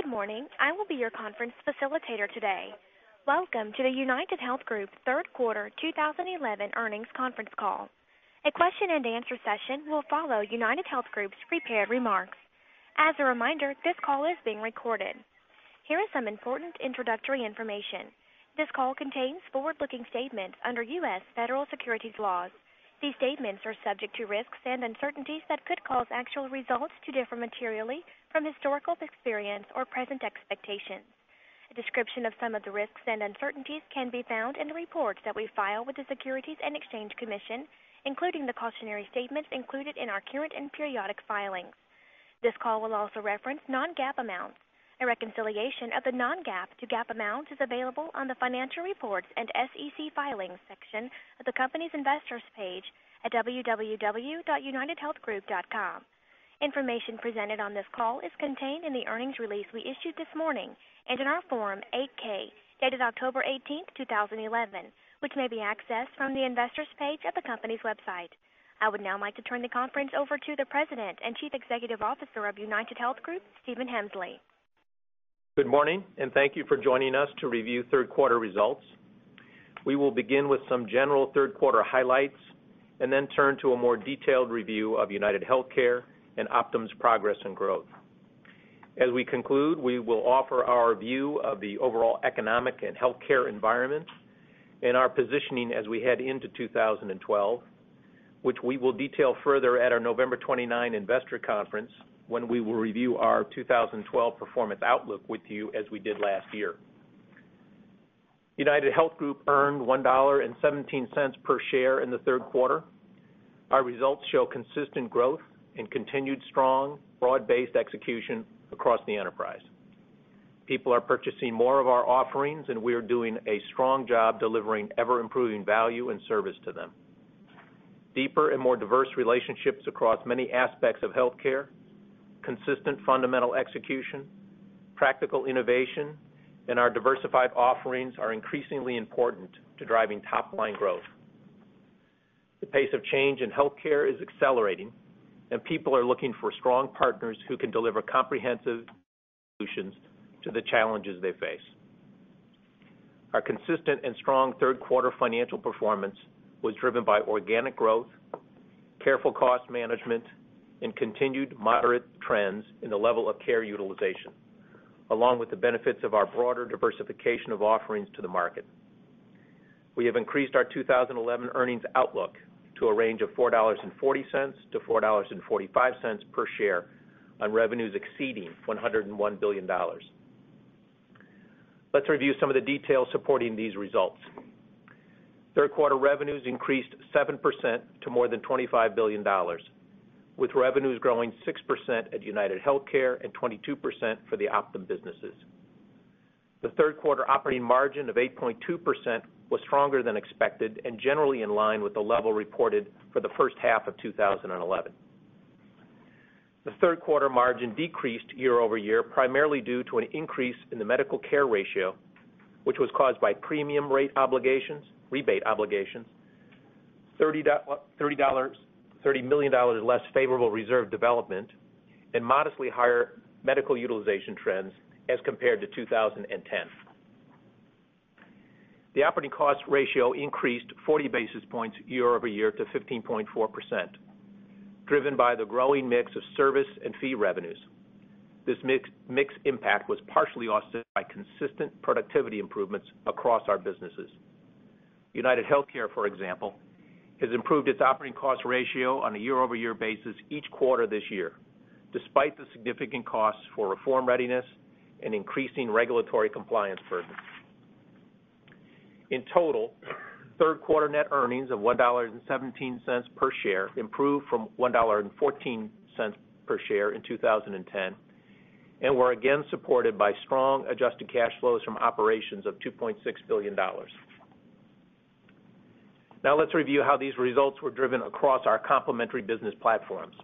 Good morning. I will be your conference facilitator today. Welcome to the UnitedHealth Group Third Quarter 2011 Earnings Conference Call. A question and answer session will follow UnitedHealth Group's prepared remarks. As a reminder, this call is being recorded. Here is some important introductory information. This call contains forward-looking statements under U.S. Federal Securities Laws. These statements are subject to risks and uncertainties that could cause actual results to differ materially from historical experience or present expectations. A description of some of the risks and uncertainties can be found in the reports that we file with the Securities and Exchange Commission, including the cautionary statements included in our current and periodic filings. This call will also reference non-GAAP amounts. A reconciliation of the non-GAAP to GAAP amounts is available on the financial reports and SEC filings section of the company's investors page at www.unitedhealthgroup.com. Information presented on this call is contained in the earnings release we issued this morning and in our Form 8-K dated October 18, 2011, which may be accessed from the investors page of the company's website. I would now like to turn the conference over to the President and Chief Executive Officer of UnitedHealth Group, Stephen Hemsley. Good morning, and thank you for joining us to review third quarter results. We will begin with some general third quarter highlights and then turn to a more detailed review of UnitedHealthcare and Optum's progress and growth. As we conclude, we will offer our view of the overall economic and healthcare environment and our positioning as we head into 2012, which we will detail further at our November 29 investor conference when we will review our 2012 performance outlook with you as we did last year. UnitedHealth Group earned $1.17/share in the third quarter. Our results show consistent growth and continued strong broad-based execution across the enterprise. People are purchasing more of our offerings, and we are doing a strong job delivering ever-improving value and service to them. Deeper and more diverse relationships across many aspects of healthcare, consistent fundamental execution, practical innovation, and our diversified offerings are increasingly important to driving top-line growth. The pace of change in healthcare is accelerating, and people are looking for strong partners who can deliver comprehensive solutions to the challenges they face. Our consistent and strong third quarter financial performance was driven by organic growth, careful cost management, and continued moderate trends in the level of care utilization, along with the benefits of our broader diversification of offerings to the market. We have increased our 2011 earnings outlook to a range of $4.40-$4.45/share on revenues exceeding $101 billion. Let's review some of the details supporting these results. Third quarter revenues increased 7% to more than $25 billion, with revenues growing 6% at UnitedHealthcare and 22% for the Optum businesses. The third quarter operating margin of 8.2% was stronger than expected and generally in line with the level reported for the first half of 2011. The third quarter margin decreased year-over-year, primarily due to an increase in the medical care ratio, which was caused by premium rebate obligations, $30 million less favorable reserve development, and modestly higher medical utilization trends as compared to 2010. The operating cost ratio increased 40 basis points year-over-year to 15.4%, driven by the growing mix of service and fee revenues. This mixed impact was partially offset by consistent productivity improvements across our businesses. UnitedHealthcare, for example, has improved its operating cost ratio on a year-over-year basis each quarter this year, despite the significant costs for reform readiness and increasing regulatory compliance burdens. In total, third quarter net earnings of $1.17/share improved from $1.14/share in 2010 and were again supported by strong adjusted cash flows from operations of $2.6 billion. Now let's review how these results were driven across our complementary business platforms.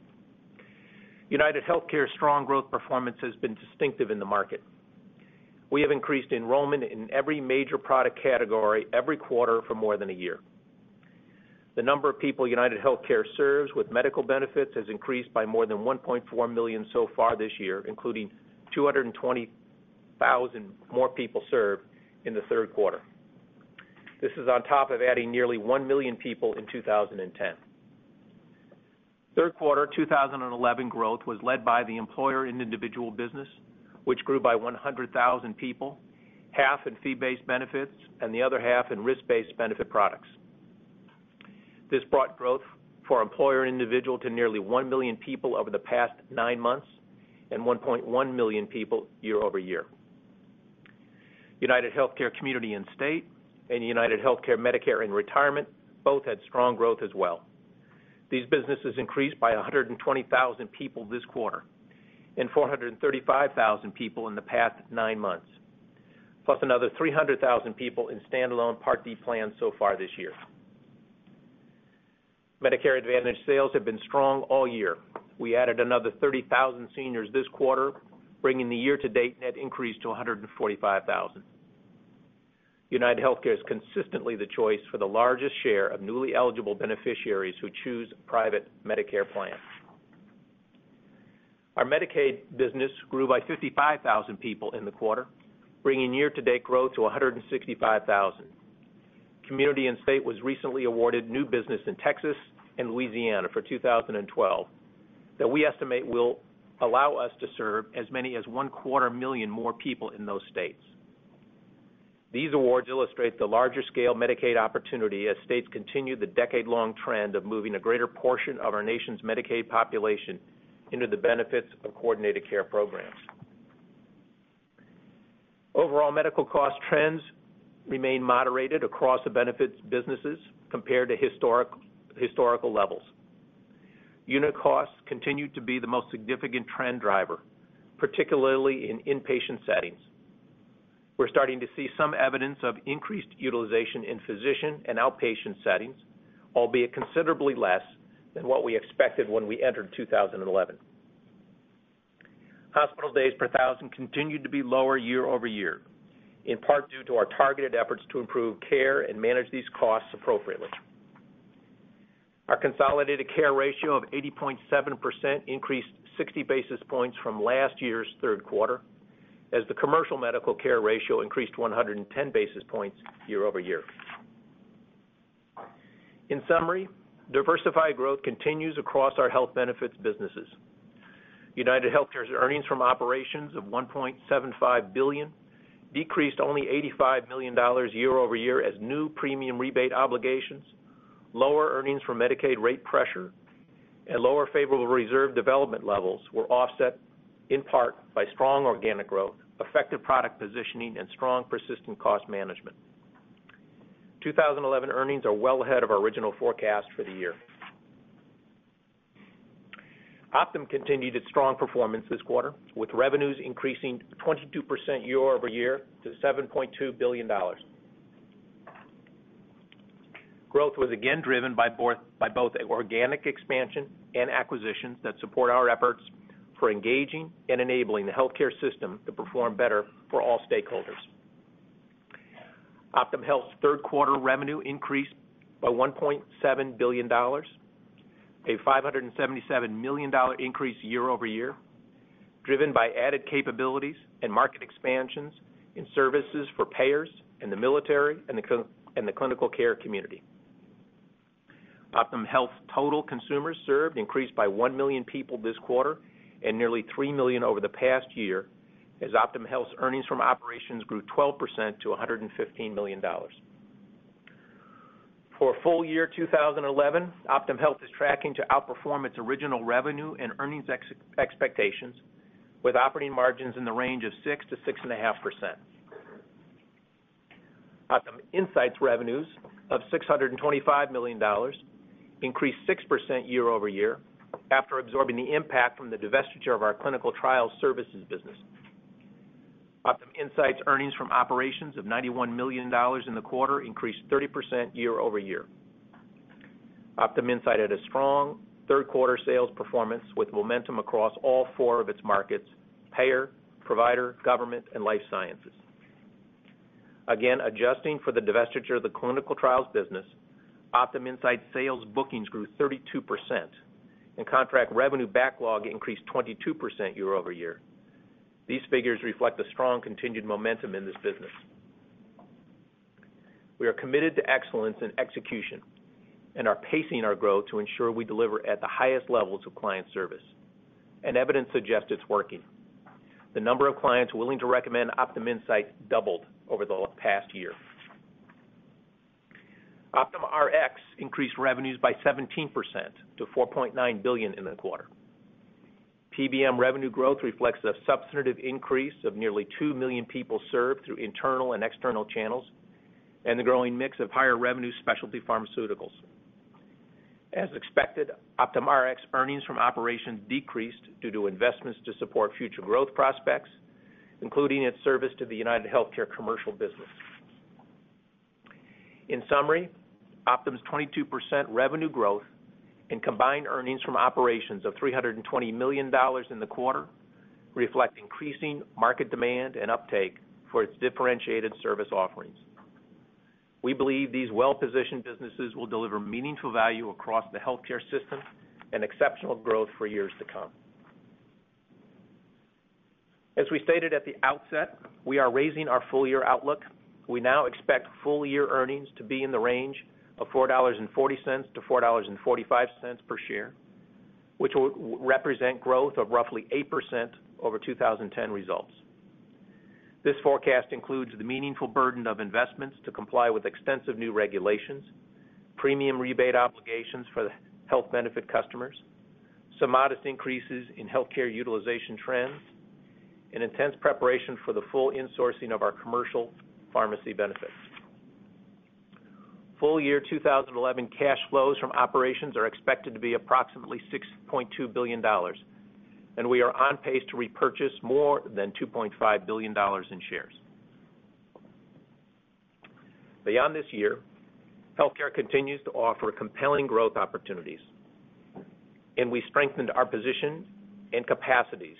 UnitedHealthcare's strong growth performance has been distinctive in the market. We have increased enrollment in every major product category every quarter for more than a year. The number of people UnitedHealthcare serves with medical benefits has increased by more than 1.4 million so far this year, including 220,000 more people served in the third quarter. This is on top of adding nearly 1 million people in 2010. Third quarter 2011 growth was led by the employer and individual business, which grew by 100,000 people, half in fee-based benefits and the other half in risk-based benefit products. This brought growth for employer and individual to nearly 1 million people over the past nine months and 1.1 million people year-over-year. UnitedHealthcare Community & State and UnitedHealthcare Medicare & Retirement both had strong growth as well. These businesses increased by 120,000 people this quarter and 435,000 people in the past nine months, plus another 300,000 people in standalone Part D plans so far this year. Medicare Advantage sales have been strong all year. We added another 30,000 seniors this quarter, bringing the year-to-date net increase to 145,000. UnitedHealthcare is consistently the choice for the largest share of newly eligible beneficiaries who choose private Medicare plans. Our Medicaid business grew by 55,000 people in the quarter, bringing year-to-date growth to 165,000. Community & State was recently awarded new business in Texas and Louisiana for 2012 that we estimate will allow us to serve as many as one quarter million more people in those states. These awards illustrate the larger scale Medicaid opportunity as states continue the decade-long trend of moving a greater portion of our nation's Medicaid population into the benefits of coordinated care programs. Overall medical cost trends remain moderated across the benefits businesses compared to historical levels. Unit costs continue to be the most significant trend driver, particularly in inpatient settings. We're starting to see some evidence of increased utilization in physician and outpatient settings, albeit considerably less than what we expected when we entered 2011. Hospital days per thousand continue to be lower year-over-year, in part due to our targeted efforts to improve care and manage these costs appropriately. Our consolidated care ratio of 80.7% increased 60 basis points from last year's third quarter, as the commercial medical care ratio increased 110 basis points year-over-year. In summary, diversified growth continues across our health benefits businesses. UnitedHealthcare's earnings from operations of $1.75 billion decreased only $85 million year-over-year as new premium rebate obligations, lower earnings from Medicaid rate pressure, and lower favorable reserve development levels were offset in part by strong organic growth, effective product positioning, and strong persistent cost management. 2011 earnings are well ahead of our original forecast for the year. Optum continued its strong performance this quarter, with revenues increasing 22% year-over-year to $7.2 billion. Growth was again driven by both organic expansion and acquisitions that support our efforts for engaging and enabling the healthcare system to perform better for all stakeholders. Optum Health's third quarter revenue increased by $1.7 billion, a $577 million increase year-over-year, driven by added capabilities and market expansions in services for payers and the military and the clinical care community. Optum Health's total consumers served increased by 1 million people this quarter and nearly 3 million over the past year, as Optum Health's earnings from operations grew 12% to $115 million. For a full year 2011, Optum Health is tracking to outperform its original revenue and earnings expectations, with operating margins in the range of 6%-6.5%. Optum Insight revenues of $625 million increased 6% year-over-year after absorbing the impact from the divestiture of our clinical trial services business. Optum Insight earnings from operations of $91 million in the quarter increased 30% year-over-year. Optum Insight had a strong third quarter sales performance with momentum across all four of its markets: payer, provider, government, and life sciences. Again, adjusting for the divestiture of the clinical trials business, Optum Insight's sales bookings grew 32%, and contract revenue backlog increased 22% year-over-year. These figures reflect the strong continued momentum in this business. We are committed to excellence in execution and are pacing our growth to ensure we deliver at the highest levels of client service, and evidence suggests it's working. The number of clients willing to recommend Optum Insight doubled over the past year. Optum Rx increased revenues by 17% to $4.9 billion in the quarter. PBM revenue growth reflects a substantive increase of nearly 2 million people served through internal and external channels and the growing mix of higher revenue specialty pharmaceuticals. As expected, Optum Rx earnings from operations decreased due to investments to support future growth prospects, including its service to the UnitedHealthcare Commercial business. In summary, Optum's 22% revenue growth and combined earnings from operations of $320 million in the quarter reflect increasing market demand and uptake for its differentiated service offerings. We believe these well-positioned businesses will deliver meaningful value across the healthcare system and exceptional growth for years to come. As we stated at the outset, we are raising our full-year outlook. We now expect full-year earnings to be in the range of $4.40-$4.45/share, which would represent growth of roughly 8% over 2010 results. This forecast includes the meaningful burden of investments to comply with extensive new regulations, premium rebate obligations for the health benefit customers, some modest increases in healthcare utilization trends, and intense preparation for the full insourcing of our commercial pharmacy benefits. Full-year 2011 cash flows from operations are expected to be approximately $6.2 billion, and we are on pace to repurchase more than $2.5 billion in shares. Beyond this year, healthcare continues to offer compelling growth opportunities, and we strengthened our position and capacities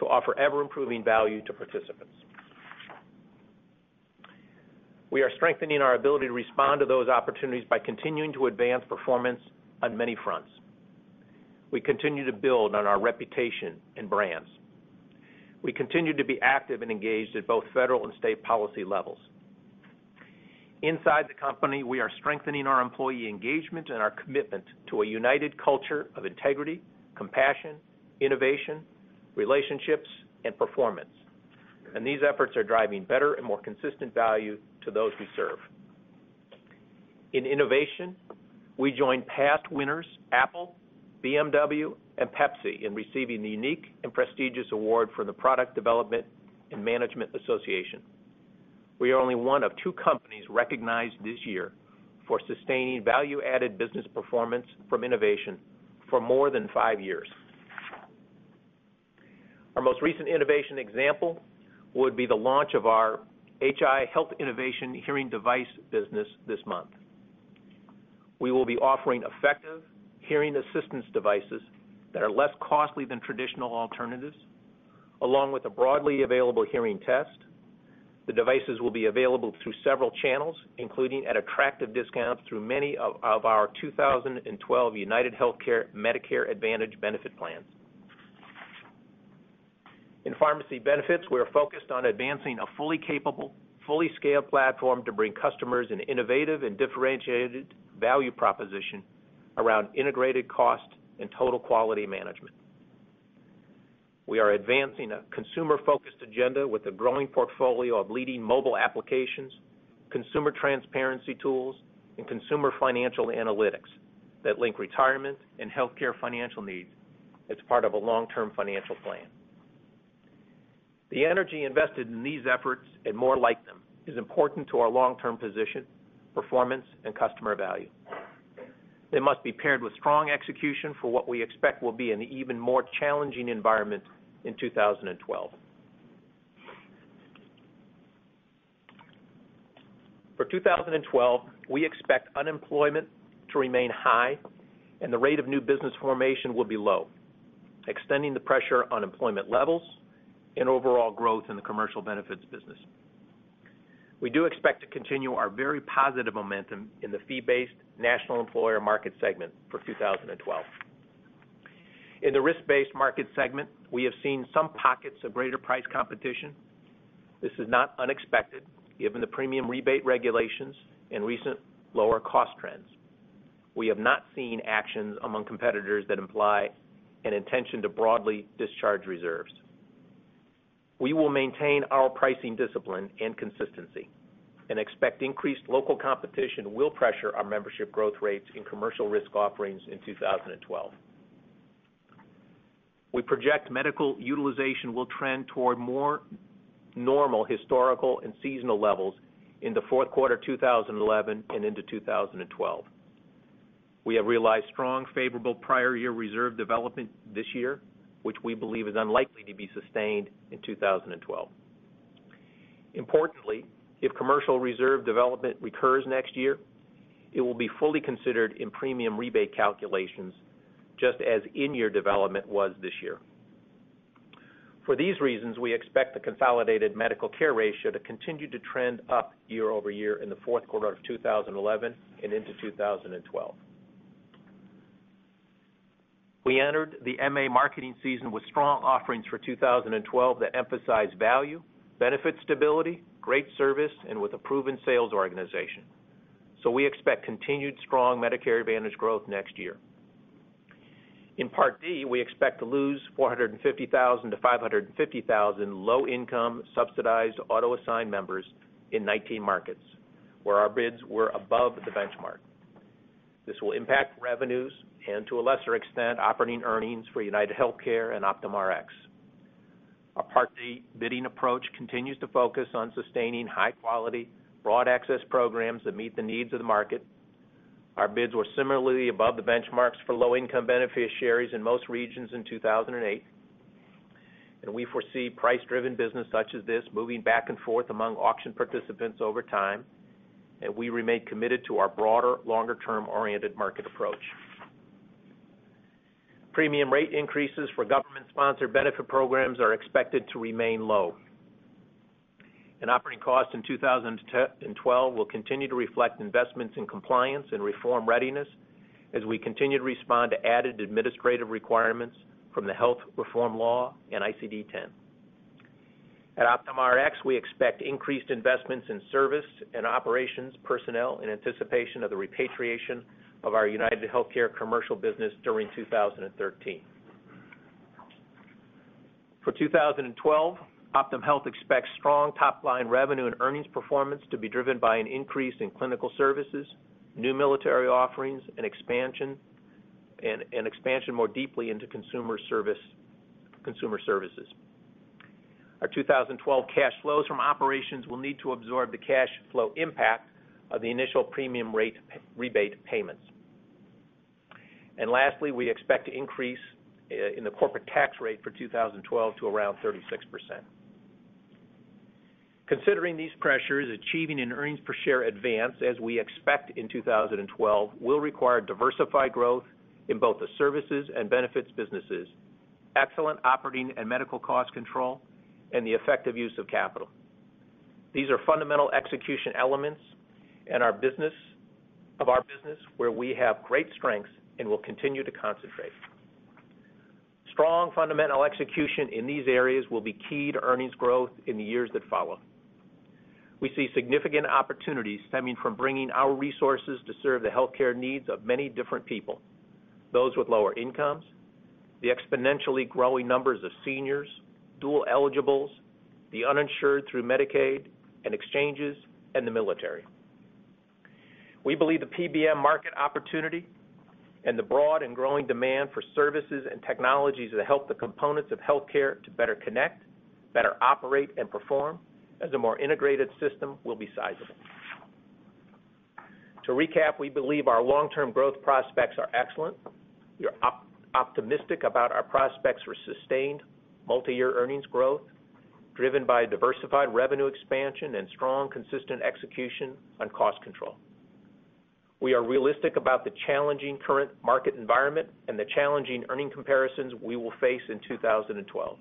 to offer ever-improving value to participants. We are strengthening our ability to respond to those opportunities by continuing to advance performance on many fronts. We continue to build on our reputation and brands. We continue to be active and engaged at both federal and state policy levels. Inside the company, we are strengthening our employee engagement and our commitment to a united culture of integrity, compassion, innovation, relationships, and performance, and these efforts are driving better and more consistent value to those we serve. In innovation, we joined past winners Apple, BMW, and Pepsi in receiving the unique and prestigious award from the Product Development and Management Association. We are only one of two companies recognized this year for sustaining value-added business performance from innovation for more than five years. Our most recent innovation example would be the launch of our HI Health Innovation Hearing Device business this month. We will be offering effective hearing assistance devices that are less costly than traditional alternatives, along with a broadly available hearing test. The devices will be available through several channels, including at attractive discounts through many of our 2012 UnitedHealthcare Medicare Advantage benefit plans. In pharmacy benefits, we're focused on advancing a fully capable, fully scaled platform to bring customers an innovative and differentiated value proposition around integrated cost and total quality management. We are advancing a consumer-focused agenda with a growing portfolio of leading mobile applications, consumer transparency tools, and consumer financial analytics that link retirement and healthcare financial needs as part of a long-term financial plan. The energy invested in these efforts and more like them is important to our long-term position, performance, and customer value. They must be paired with strong execution for what we expect will be an even more challenging environment in 2012. For 2012, we expect unemployment to remain high, and the rate of new business formation will be low, extending the pressure on employment levels and overall growth in the commercial benefits business. We do expect to continue our very positive momentum in the fee-based national employer market segment for 2012. In the risk-based market segment, we have seen some pockets of greater price competition. This is not unexpected given the premium rebate regulations and recent lower cost trends. We have not seen actions among competitors that imply an intention to broadly discharge reserves. We will maintain our pricing discipline and consistency and expect increased local competition will pressure our membership growth rates in commercial risk offerings in 2012. We project medical utilization will trend toward more normal historical and seasonal levels in the fourth quarter 2011 and into 2012. We have realized strong favorable prior year reserve development this year, which we believe is unlikely to be sustained in 2012. Importantly, if commercial reserve development recurs next year, it will be fully considered in premium rebate calculations, just as in-year development was this year. For these reasons, we expect the consolidated medical care ratio to continue to trend up year over year in the fourth quarter of 2011 and into 2012. We entered the MA marketing season with strong offerings for 2012 that emphasize value, benefit stability, great service, and with a proven sales organization. We expect continued strong Medicare Advantage growth next year. In Part D, we expect to lose 450,000-550,000 low-income subsidized auto-assigned members in 19 markets where our bids were above the benchmark. This will impact revenues and, to a lesser extent, operating earnings for UnitedHealthcare and Optum Rx. Our Part D bidding approach continues to focus on sustaining high-quality broad access programs that meet the needs of the market. Our bids were similarly above the benchmarks for low-income beneficiaries in most regions in 2008, and we foresee price-driven business such as this moving back and forth among auction participants over time, and we remain committed to our broader, longer-term-oriented market approach. Premium rate increases for government-sponsored benefit programs are expected to remain low. An operating cost in 2012 will continue to reflect investments in compliance and reform readiness as we continue to respond to added administrative requirements from the health reform law and ICD-10. At Optum Rx, we expect increased investments in service and operations personnel in anticipation of the repatriation of our UnitedHealthcare commercial business during 2013. For 2012, Optum Health expects strong top-line revenue and earnings performance to be driven by an increase in clinical services, new military offerings, and expansion more deeply into consumer services. Our 2012 cash flows from operations will need to absorb the cash flow impact of the initial premium rate rebate payments. Lastly, we expect an increase in the corporate tax rate for 2012 to around 36%. Considering these pressures, achieving an earnings per share advance, as we expect in 2012, will require diversified growth in both the services and benefits businesses, excellent operating and medical cost control, and the effective use of capital. These are fundamental execution elements of our business where we have great strengths and will continue to concentrate. Strong fundamental execution in these areas will be key to earnings growth in the years that follow. We see significant opportunities stemming from bringing our resources to serve the healthcare needs of many different people: those with lower incomes, the exponentially growing numbers of seniors, dual-eligible populations, the uninsured through Medicaid and exchanges, and the military. We believe the pharmacy benefits management (PBM) market opportunity and the broad and growing demand for services and technologies that help the components of healthcare to better connect, better operate, and perform as a more integrated system will be sizable. To recap, we believe our long-term growth prospects are excellent. We are optimistic about our prospects for sustained multi-year earnings growth driven by diversified revenue expansion and strong consistent execution and cost control. We are realistic about the challenging current market environment and the challenging earning comparisons we will face in 2012.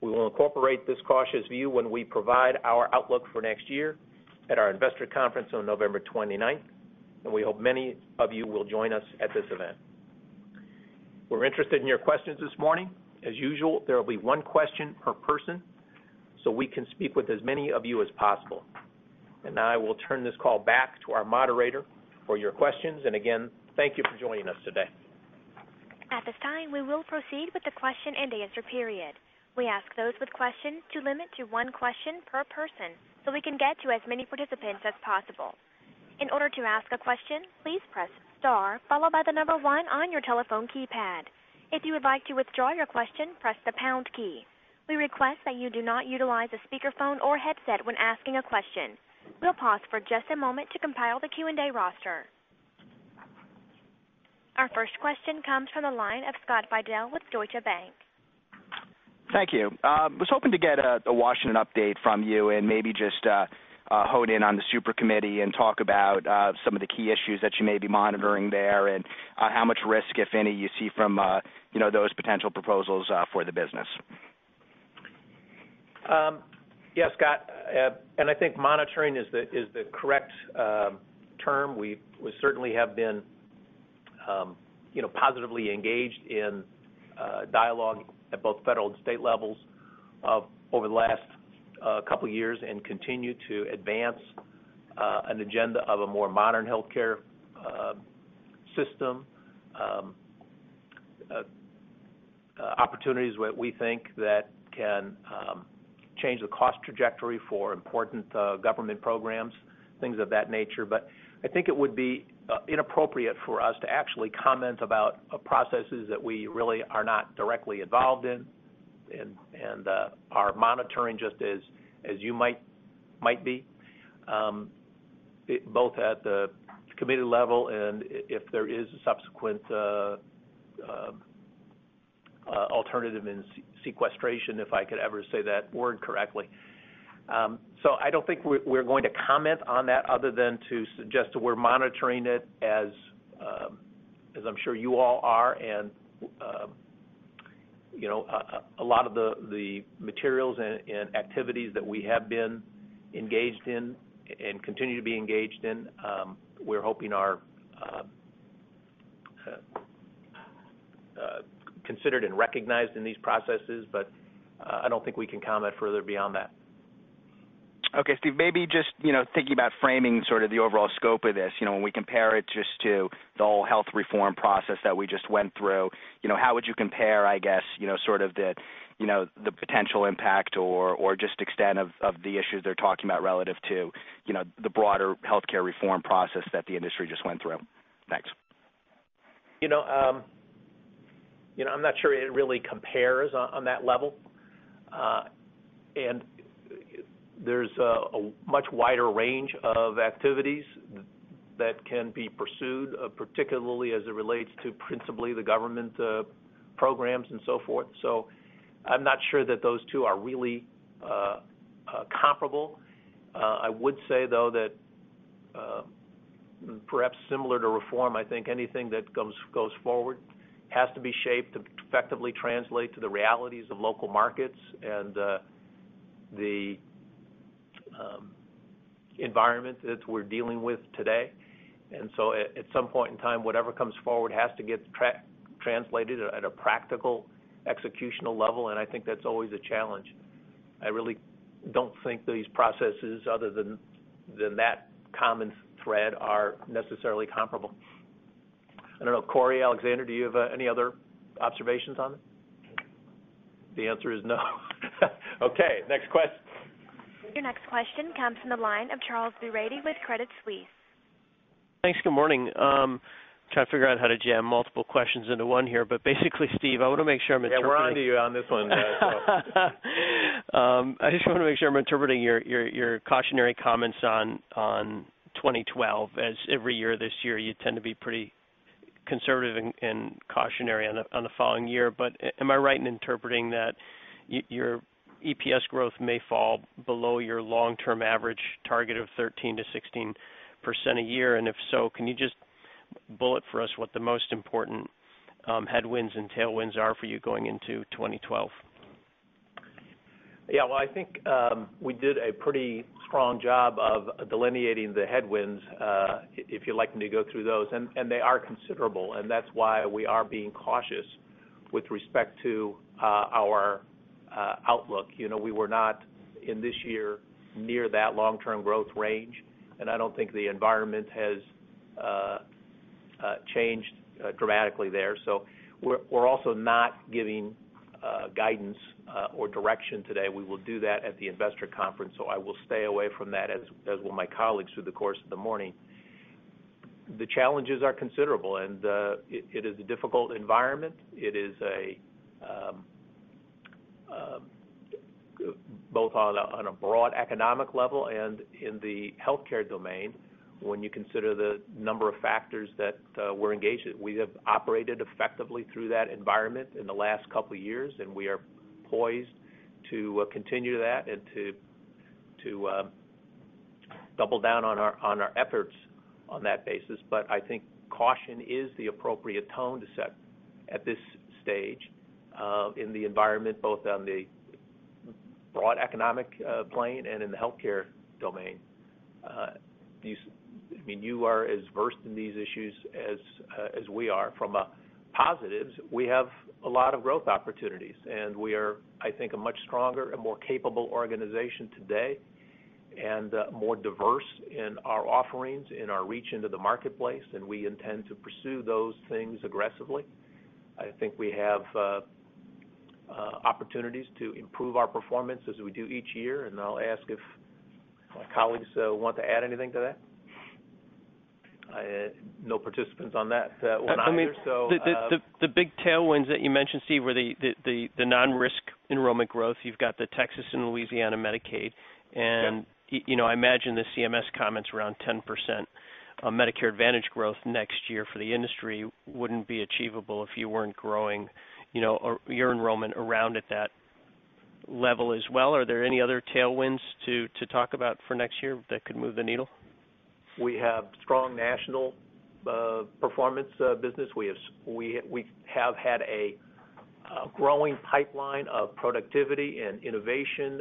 We will incorporate this cautious view when we provide our outlook for next year at our investor conference on November 29th, and we hope many of you will join us at this event. We're interested in your questions this morning. As usual, there will be one question per person so we can speak with as many of you as possible. I will turn this call back to our moderator for your questions. Again, thank you for joining us today. At this time, we will proceed with the question and answer period. We ask those with questions to limit to one question per person so we can get to as many participants as possible. In order to ask a question, please press star followed by the number one on your telephone keypad. If you would like to withdraw your question, press the pound key. We request that you do not utilize a speakerphone or headset when asking a question. We'll pause for just a moment to compile the Q&A roster. Our first question comes from the line of Scott Moeller with Deutsche Bank. Thank you. I was hoping to get a Washington update from you and maybe just hone in on the supercommittee and talk about some of the key issues that you may be monitoring there and how much risk, if any, you see from those potential proposals for the business. Yes, Scott. I think monitoring is the correct term. We certainly have been positively engaged in dialogue at both federal and state levels over the last couple of years and continue to advance an agenda of a more modern healthcare system, opportunities that we think can change the cost trajectory for important government programs, things of that nature. I think it would be inappropriate for us to actually comment about processes that we really are not directly involved in and are monitoring just as you might be, both at the committee level and if there is a subsequent alternative in sequestration, if I could ever say that word correctly. I don't think we're going to comment on that other than to suggest that we're monitoring it, as I'm sure you all are. A lot of the materials and activities that we have been engaged in and continue to be engaged in, we're hoping are considered and recognized in these processes. I don't think we can comment further beyond that. Okay, Steve. Maybe just thinking about framing sort of the overall scope of this, when we compare it just to the whole health reform process that we just went through, how would you compare, I guess, sort of the potential impact or just extent of the issues they're talking about relative to the broader healthcare reform process that the industry just went through? Thanks. I'm not sure it really compares on that level. There's a much wider range of activities that can be pursued, particularly as it relates to principally the government programs and so forth. I'm not sure that those two are really comparable. I would say, though, that perhaps similar to reform, I think anything that goes forward has to be shaped to effectively translate to the realities of local markets and the environment that we're dealing with today. At some point in time, whatever comes forward has to get translated at a practical executional level. I think that's always a challenge. I really don't think these processes, other than that common thread, are necessarily comparable. I don't know. Corey, Alexander, do you have any other observations on it? The answer is no. Okay, next question. Your next question comes from the line of Charles Boorady with Credit Suisse. Thanks. Good morning. I'm trying to figure out how to jam multiple questions into one here. Basically, Steve, I want to make sure I'm interpreting. We're on to you on this one, Charles. I just want to make sure I'm interpreting your cautionary comments on 2012. As every year this year, you tend to be pretty conservative and cautionary on the following year. Am I right in interpreting that your EPS growth may fall below your long-term average target of 13%-16% a year? If so, can you just bullet for us what the most important headwinds and tailwinds are for you going into 2012? I think we did a pretty strong job of delineating the headwinds, if you'd like me to go through those. They are considerable, and that is why we are being cautious with respect to our outlook. We were not, in this year, near that long-term growth range. I don't think the environment has changed dramatically there. We are also not giving guidance or direction today. We will do that at the investor conference. I will stay away from that, as will my colleagues through the course of the morning. The challenges are considerable, and it is a difficult environment. It is both on a broad economic level and in the healthcare domain when you consider the number of factors that we're engaged with. We have operated effectively through that environment in the last couple of years, and we are poised to continue that and to double-down on our efforts on that basis. I think caution is the appropriate tone to set at this stage in the environment, both on the broad economic plane and in the healthcare domain. You are as versed in these issues as we are. From a positive, we have a lot of growth opportunities, and we are, I think, a much stronger and more capable organization today and more diverse in our offerings and our reach into the marketplace. We intend to pursue those things aggressively. I think we have opportunities to improve our performance as we do each year. I'll ask if my colleagues want to add anything to that. No participants on that. I mean, the big tailwinds that you mentioned, Steve, were the non-risk enrollment growth. You've got the Texas and Louisiana Medicaid. I imagine the CMS comments around 10% on Medicare Advantage growth next year for the industry wouldn't be achievable if you weren't growing your enrollment around at that level as well. Are there any other tailwinds to talk about for next year that could move the needle? We have strong national performance business. We have had a growing pipeline of productivity and innovation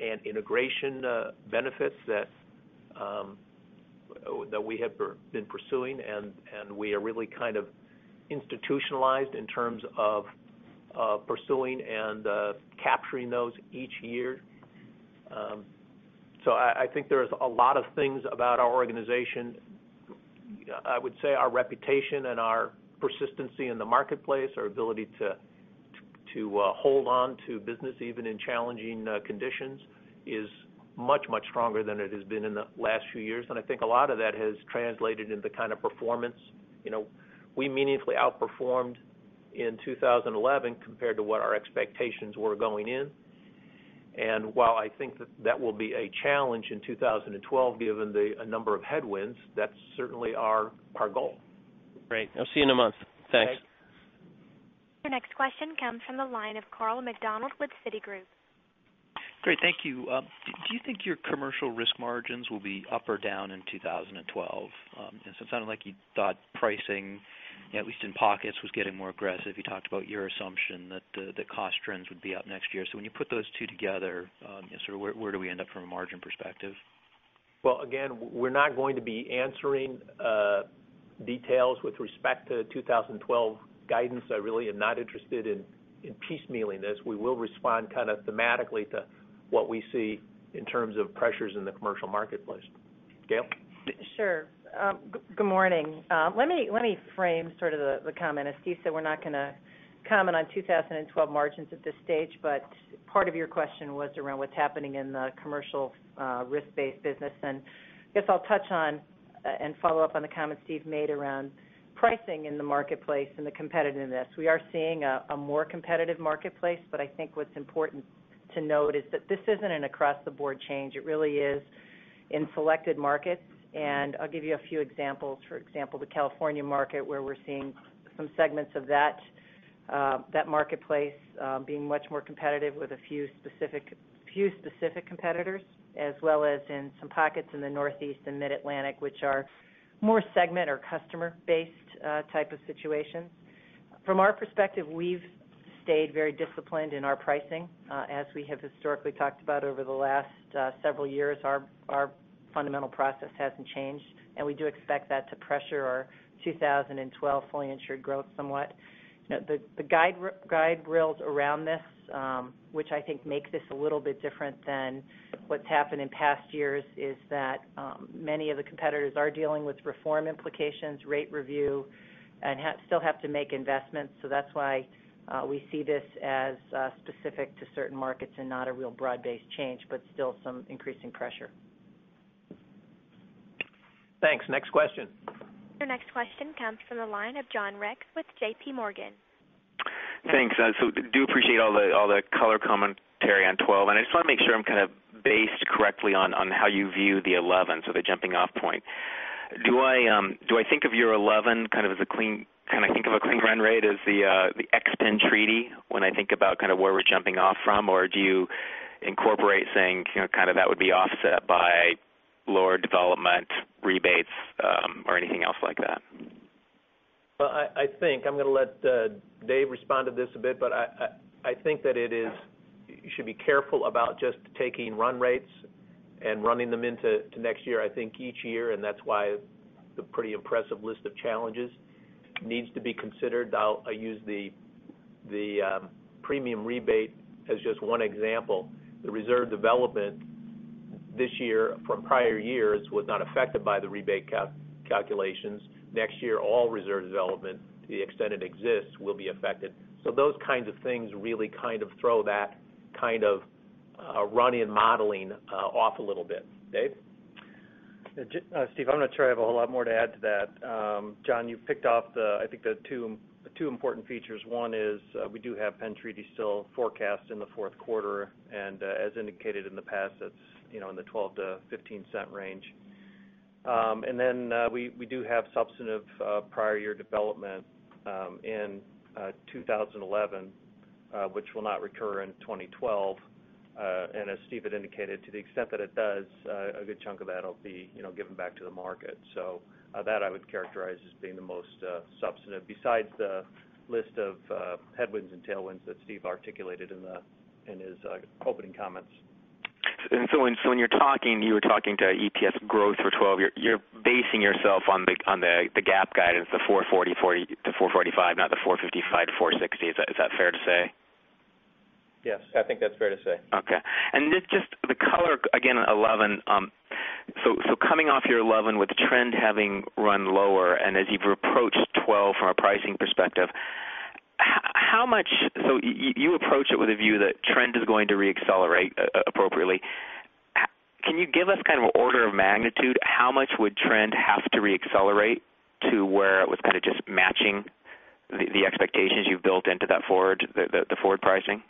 and integration benefits that we have been pursuing. We are really kind of institutionalized in terms of pursuing and capturing those each year. I think there are a lot of things about our organization. I would say our reputation and our persistency in the marketplace, our ability to hold on to business even in challenging conditions, is much, much stronger than it has been in the last few years. I think a lot of that has translated into kind of performance. We meaningfully outperformed in 2011 compared to what our expectations were going in. While I think that will be a challenge in 2012, given the number of headwinds, that's certainly our goal. Great. I'll see you in a month. Thanks. Your next question comes from the line of Carl McDonald with Citigroup. Great. Thank you. Do you think your commercial risk margins will be up or down in 2012? It sounded like you thought pricing, at least in pockets, was getting more aggressive. You talked about your assumption that the cost trends would be up next year. When you put those two together, where do we end up from a margin perspective? We're not going to be answering details with respect to 2012 guidance. I really am not interested in piece-mealing this. We will respond kind of thematically to what we see in terms of pressures in the commercial marketplace. Gail? Sure. Good morning. Let me frame sort of the comment. As Steve said, we're not going to comment on 2012 margins at this stage. Part of your question was around what's happening in the commercial risk-based business. I guess I'll touch on and follow up on the comment Steve made around pricing in the marketplace and the competitiveness. We are seeing a more competitive marketplace. I think what's important to note is that this isn't an across-the-board change. It really is in selected markets. I'll give you a few examples. For example, the California market, where we're seeing some segments of that marketplace being much more competitive with a few specific competitors, as well as in some pockets in the Northeast and Mid-Atlantic, which are more segment or customer-based type of situations. From our perspective, we've stayed very disciplined in our pricing. As we have historically talked about over the last several years, our fundamental process hasn't changed. We do expect that to pressure our 2012 fully insured growth somewhat. The guide rails around this, which I think make this a little bit different than what's happened in past years, is that many of the competitors are dealing with reform implications, rate review, and still have to make investments. That's why we see this as specific to certain markets and not a real broad-based change, but still some increasing pressure. Thanks. Next question. Your next question comes from the line of John Rex with JPMorgan. Thanks. I do appreciate all the color commentary on 2012. I just want to make sure I'm kind of based correctly on how you view the 2011 sort of jumping-off point. Do I think of your 2011 kind of as a clean, kind of think of a clean run rate as the X.10 treaty when I think about kind of where we're jumping off from? Or do you incorporate saying that would be offset by lower development rebates or anything else like that? I think I'm going to let Dave respond to this a bit. I think that you should be careful about just taking run rates and running them into next year. I think each year, and that's why the pretty impressive list of challenges needs to be considered. I'll use the premium rebate as just one example. The reserve development this year from prior years was not affected by the rebate calculations. Next year, all reserve development, to the extent it exists, will be affected. Those kinds of things really kind of throw that kind of run-in modeling off a little bit. Dave? Steve, I'm not sure I have a whole lot more to add to that. John, you picked off, I think, the two important features. One is we do have pen treaties still forecast in the fourth quarter, and as indicated in the past, that's in the $0.12-$0.15 range. We do have substantive prior year development in 2011, which will not recur in 2012. As Steve had indicated, to the extent that it does, a good chunk of that will be given back to the market. I would characterize that as being the most substantive, besides the list of headwinds and tailwinds that Steve articulated in his opening comments. When you're talking, you were talking to EPS growth for 2012. You're basing yourself on the GAAP guidance, the $4.40-$4.45, not the $4.55-$4.60. Is that fair to say? Yes, I think that's fair to say. OK. Just the color, again, 2011. Coming off your 2011 with the trend having run lower, and as you've approached 2012 from a pricing perspective, how much do you approach it with a view that trend is going to reaccelerate appropriately? Can you give us kind of an order of magnitude? How much would trend have to reaccelerate to where it was just matching the expectations you've built into that forward pricing?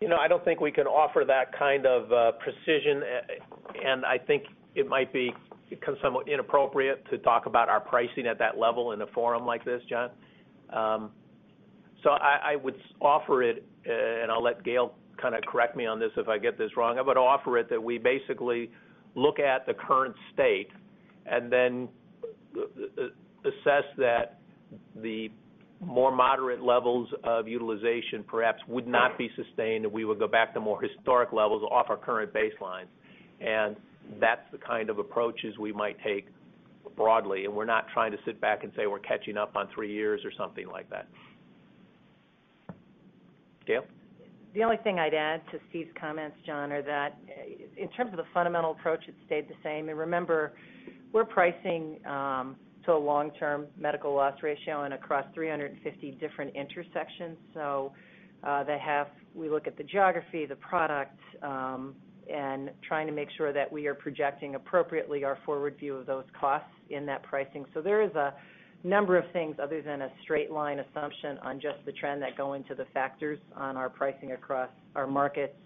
You know. I don't think we can offer that kind of precision. I think it might become somewhat inappropriate to talk about our pricing at that level in a forum like this, John. I would offer it, and I'll let Gail kind of correct me on this if I get this wrong. I would offer it that we basically look at the current state and then assess that the more moderate levels of utilization perhaps would not be sustained, and we would go back to more historic levels off our current baseline. That's the kind of approaches we might take broadly. We're not trying to sit back and say we're catching up on three years or something like that. Gail? The only thing I'd add to Steve's comments, John, are that in terms of the fundamental approach, it stayed the same. Remember, we're pricing to a long-term medical loss ratio and across 350 different intersections. We look at the geography, the product, and trying to make sure that we are projecting appropriately our forward view of those costs in that pricing. There are a number of things other than a straight line assumption on just the trend that go into the factors on our pricing across our markets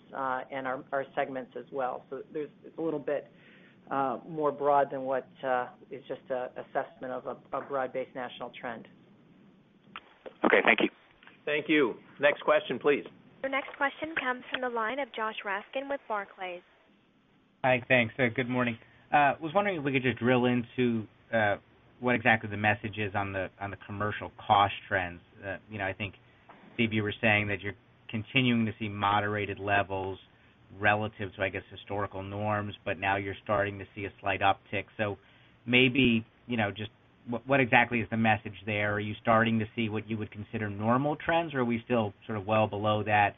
and our segments as well. It is a little bit more broad than what is just an assessment of a broad-based national trend. OK, thank you. Thank you. Next question, please. Your next question comes from the line of Josh Raskin with Barclays. Hi. Thanks. Good morning. I was wondering if we could just drill into what exactly the message is on the commercial cost trends. I think, Steve, you were saying that you're continuing to see moderated levels relative to, I guess, historical norms. Now you're starting to see a slight uptick. Maybe just what exactly is the message there? Are you starting to see what you would consider normal trends? Are we still sort of well below that?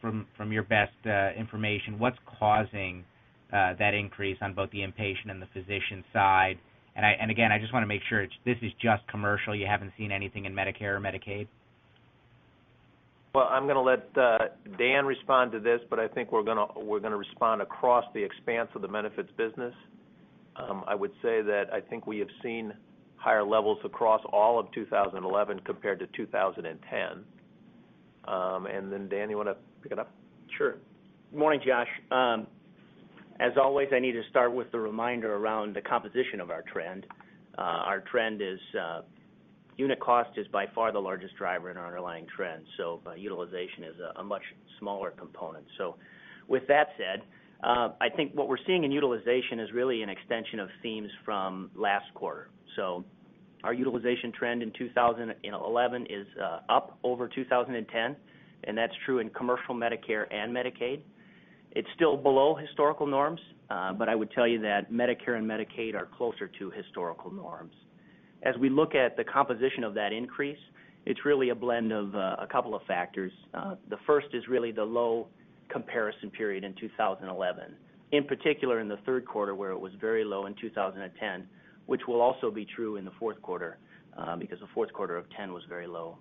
From your best information, what's causing that increase on both the inpatient and the physician side? I just want to make sure this is just commercial. You haven't seen anything in Medicare or Medicaid? I'm going to let Dan respond to this. I think we're going to respond across the expanse of the benefits business. I would say that I think we have seen higher levels across all of 2011 compared to 2010. Dan, you want to pick it up? Sure. Morning, Josh. As always, I need to start with the reminder around the composition of our trend. Our trend is unit cost, which is by far the largest driver in our underlying trend. Utilization is a much smaller component. With that said, what we're seeing in utilization is really an extension of themes from last quarter. Our utilization trend in 2011 is up over 2010, and that's true in commercial, Medicare, and Medicaid. It's still below historical norms, but I would tell you that Medicare and Medicaid are closer to historical norms. As we look at the composition of that increase, it's really a blend of a couple of factors. The first is really the low comparison period in 2011, in particular in the third quarter where it was very low in 2010, which will also be true in the fourth quarter because the fourth quarter of 2010 was very low.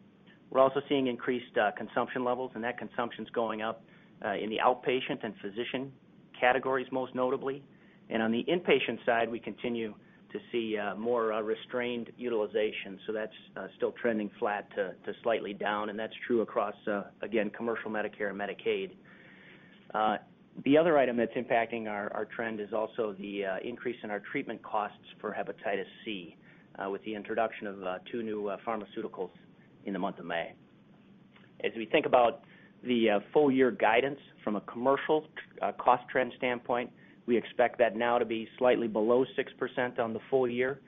We're also seeing increased consumption levels, and that consumption is going up in the outpatient and physician categories, most notably. On the inpatient side, we continue to see more restrained utilization, so that's still trending flat to slightly down, and that's true across, again, commercial, Medicare, and Medicaid. The other item that's impacting our trend is also the increase in our treatment costs for hepatitis C with the introduction of two new pharmaceuticals in the month of May. As we think about the full-year guidance from a commercial cost trend standpoint, we expect that now to be slightly below 6% on the full year.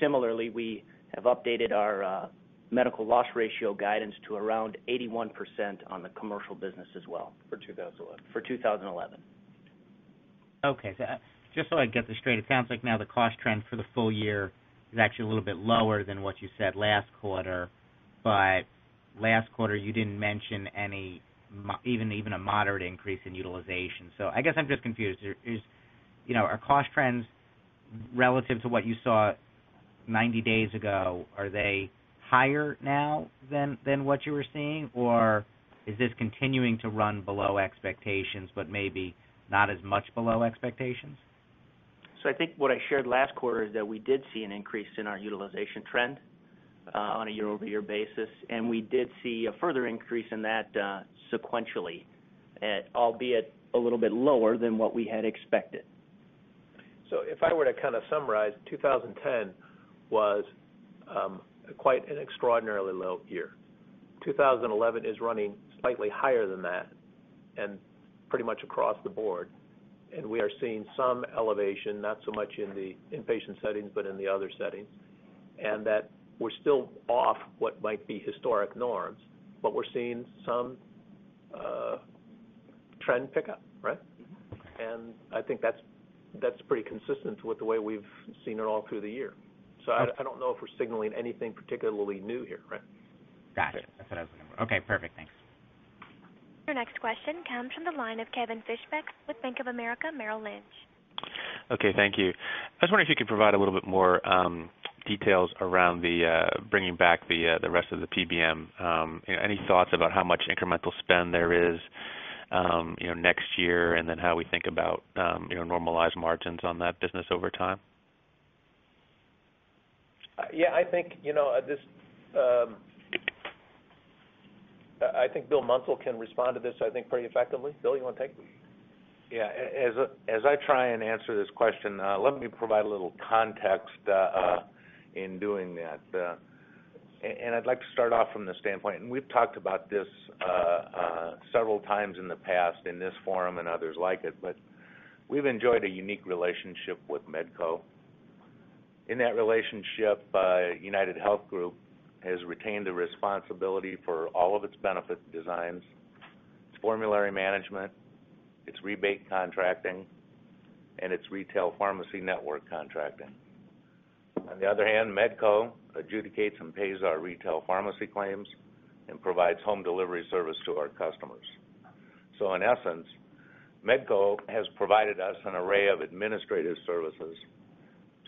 Similarly, we have updated our medical loss ratio guidance to around 81% on the commercial business as well. For 2011? For 2011. OK. Just so I get this straight, it sounds like now the cost trend for the full year is actually a little bit lower than what you said last quarter. Last quarter, you didn't mention even a moderate increase in utilization. I guess I'm just confused. Are cost trends relative to what you saw 90 days ago higher now than what you were seeing, or is this continuing to run below expectations but maybe not as much below expectations? I think what I shared last quarter is that we did see an increase in our utilization trend on a year-over-year basis, and we did see a further increase in that sequentially, albeit a little bit lower than what we had expected. If I were to kind of summarize, 2010 was quite an extraordinarily low year. 2011 is running slightly higher than that and pretty much across the board. We are seeing some elevation, not so much in the inpatient settings but in the other settings. We're still off what might be historic norms, but we're seeing some trend pickup, right? I think that's pretty consistent with the way we've seen it all through the year. I don't know if we're signaling anything particularly new here. Got it. That's what I was wondering. OK, perfect. Thanks. Your next question comes from the line of Kevin Fischbeck with Bank of America Merrill Lynch. OK, thank you. I was wondering if you could provide a little bit more details around bringing back the rest of the PBM. Any thoughts about how much incremental spend there is next year, and then how we think about normalized margins on that business over time? Yeah, I think Bill Munsell can respond to this, I think, pretty effectively. Bill, you want to take it? Yeah. As I try and answer this question, let me provide a little context in doing that. I'd like to start off from the standpoint, and we've talked about this several times in the past in this forum and others like it. We've enjoyed a unique relationship with Medco. In that relationship, UnitedHealth Group has retained the responsibility for all of its benefit designs, formulary management, its rebate contracting, and its retail pharmacy network contracting. On the other hand, Medco adjudicates and pays our retail pharmacy claims and provides home delivery service to our customers. In essence, Medco has provided us an array of administrative services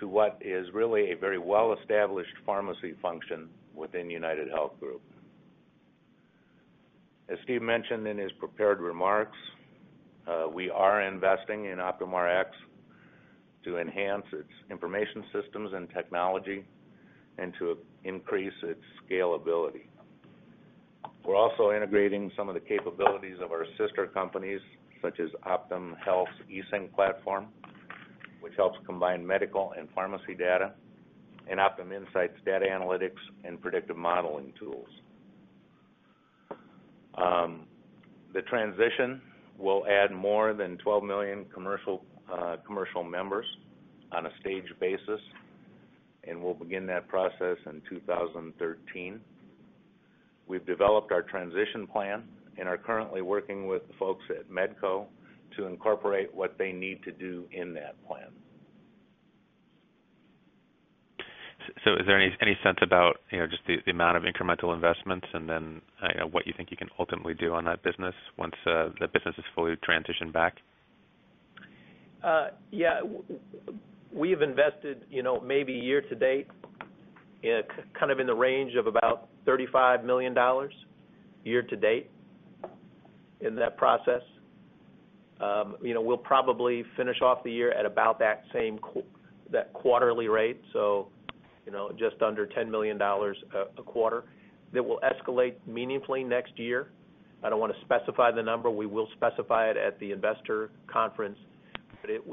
to what is really a very well-established pharmacy function within UnitedHealth Group. As Steve mentioned in his prepared remarks, we are investing in Optum Rx to enhance its information systems and technology and to increase its scalability. We're also integrating some of the capabilities of our sister companies, such as Optum Health's eSync Platform, which helps combine medical and pharmacy data, and Optum Insight's data analytics and predictive modeling tools. The transition will add more than 12 million commercial members on a staged basis. We'll begin that process in 2013. We've developed our transition plan and are currently working with the folks at Medco to incorporate what they need to do in that plan. Is there any sense about just the amount of incremental investments, and then what you think you can ultimately do on that business once the business is fully transitioned back? Yeah, we've invested maybe year to date kind of in the range of about $35 million year to date in that process. We'll probably finish off the year at about that same quarterly rate, just under $10 million a quarter. That will escalate meaningfully next year. I don't want to specify the number. We will specify it at the investor conference.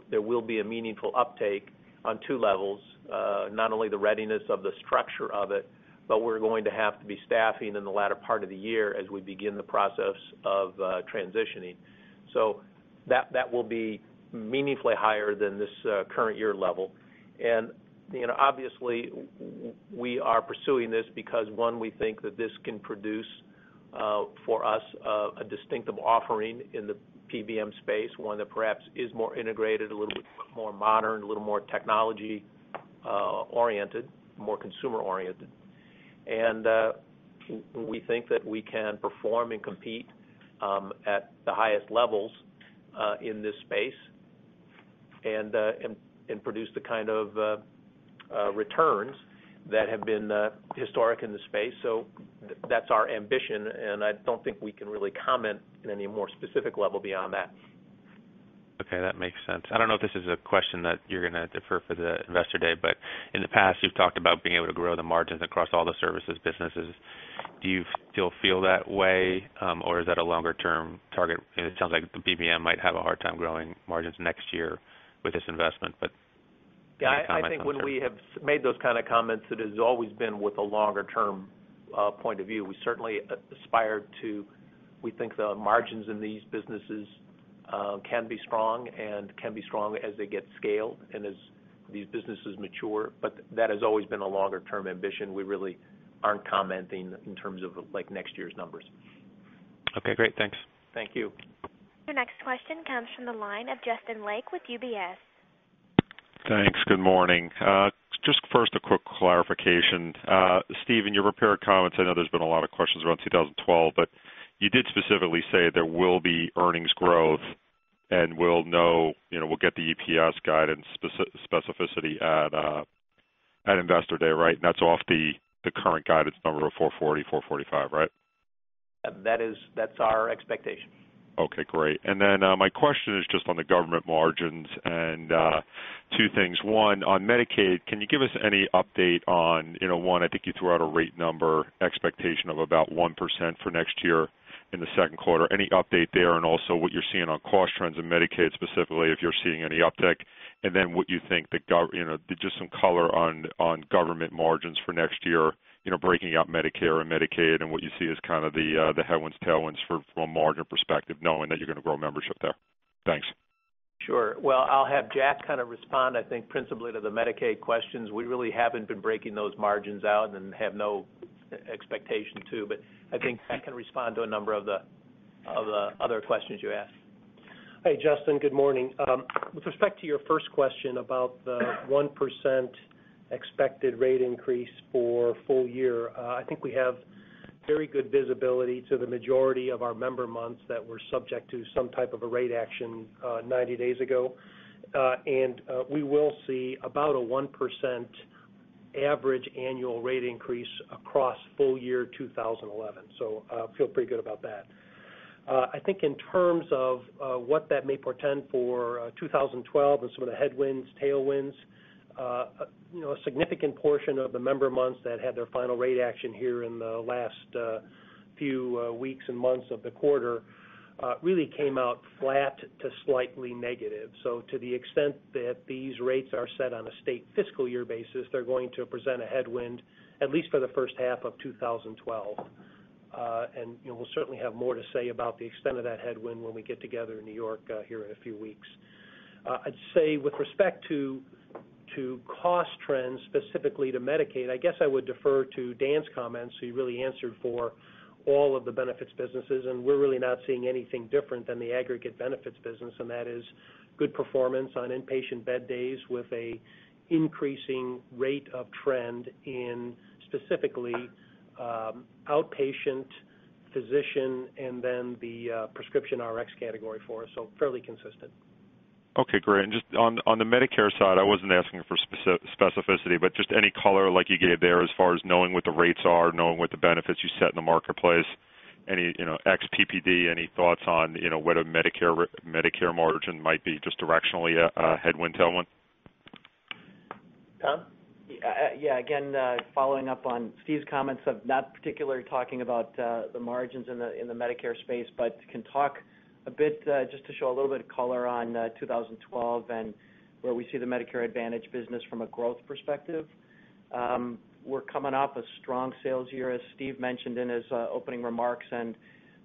There will be a meaningful uptake on two levels, not only the readiness of the structure of it, but we're going to have to be staffing in the latter part of the year as we begin the process of transitioning. That will be meaningfully higher than this current year level. Obviously, we are pursuing this because, one, we think that this can produce for us a distinctive offering in the PBM space, one that perhaps is more integrated, a little bit more modern, a little more technology-oriented, more consumer-oriented. We think that we can perform and compete at the highest levels in this space and produce the kind of returns that have been historic in the space. That's our ambition. I don't think we can really comment in any more specific level beyond that. OK, that makes sense. I don't know if this is a question that you're going to defer for the investor day. In the past, you've talked about being able to grow the margins across all the services businesses. Do you still feel that way, or is that a longer-term target? It sounds like the PBM might have a hard time growing margins next year with this investment. Yeah, I think when we have made those kind of comments, it has always been with a longer-term point of view. We certainly aspire to, we think the margins in these businesses can be strong and can be strong as they get scaled and as these businesses mature. That has always been a longer-term ambition. We really aren't commenting in terms of next year's numbers. OK, great. Thanks. Thank you. Your next question comes from the line of Justin Lake with UBS. Thanks. Good morning. Just first, a quick clarification. Steve, in your prepared comments, I know there's been a lot of questions around 2012. You did specifically say there will be earnings growth. We'll know we'll get the EPS guidance specificity at investor day, right? That's off the current guidance number of $4.40, $4.45, right? That's our expectation. OK, great. My question is just on the government margins and two things. One, on Medicaid, can you give us any update on, one, I think you threw out a rate number expectation of about 1% for next year in the second quarter, any update there? Also, what you're seeing on cost trends in Medicaid specifically, if you're seeing any uptick? What you think, just some color on government margins for next year, breaking out Medicare and Medicaid and what you see as kind of the headwinds, tailwinds from a margin perspective, knowing that you're going to grow membership there. Thanks. Sure. I'll have Jack kind of respond, I think, principally to the Medicaid questions. We really haven't been breaking those margins out and have no expectation to. I think I can respond to a number of the other questions you asked. Hey, Justin. Good morning. With respect to your first question about the 1% expected rate increase for full year, I think we have very good visibility to the majority of our member months that were subject to some type of a rate action 90 days ago. We will see about a 1% average annual rate increase across full year 2011. I feel pretty good about that. I think in terms of what that may portend for 2012 and some of the headwinds, tailwinds, a significant portion of the member months that had their final rate action here in the last few weeks and months of the quarter really came out flat to slightly negative. To the extent that these rates are set on a state fiscal year basis, they're going to present a headwind at least for the first half of 2012. We'll certainly have more to say about the extent of that headwind when we get together in New York here in a few weeks. I'd say with respect to cost trends, specifically to Medicaid, I guess I would defer to Dan's comments. You really answered for all of the benefits businesses. We're really not seeing anything different than the aggregate benefits business. That is good performance on inpatient bed days with an increasing rate of trend in specifically outpatient physician and then the prescription Rx category for us, so fairly consistent. OK, great. Just on the Medicare side, I wasn't asking for specificity, but just any color like you gave there as far as knowing what the rates are, knowing what the benefits you set in the marketplace, any XPPD, any thoughts on what a Medicare margin might be, just directionally a headwind, tailwind? Tom? Yeah, again, following up on Steve's comments, I'm not particularly talking about the margins in the Medicare space, but can talk a bit just to show a little bit of color on 2012 and where we see the Medicare Advantage business from a growth perspective. We're coming off a strong sales year, as Steve mentioned in his opening remarks.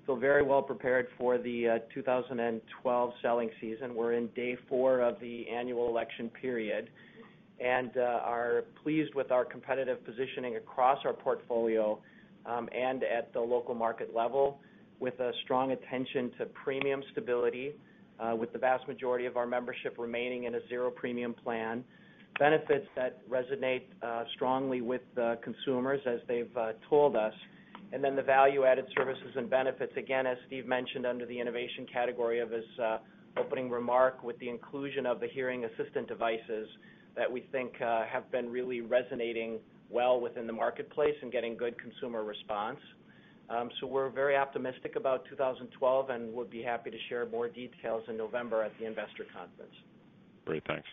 We're very well prepared for the 2012 selling season. We're in day four of the annual election period, and we're pleased with our competitive positioning across our portfolio and at the local market level with a strong attention to premium stability, with the vast majority of our membership remaining in a zero premium plan, benefits that resonate strongly with the consumers as they've told us, and the value-added services and benefits, as Steve mentioned under the innovation category of his opening remark with the inclusion of the hearing assistant devices that we think have been really resonating well within the marketplace and getting good consumer response. We're very optimistic about 2012 and will be happy to share more details in November at the investor conference. Great, thanks.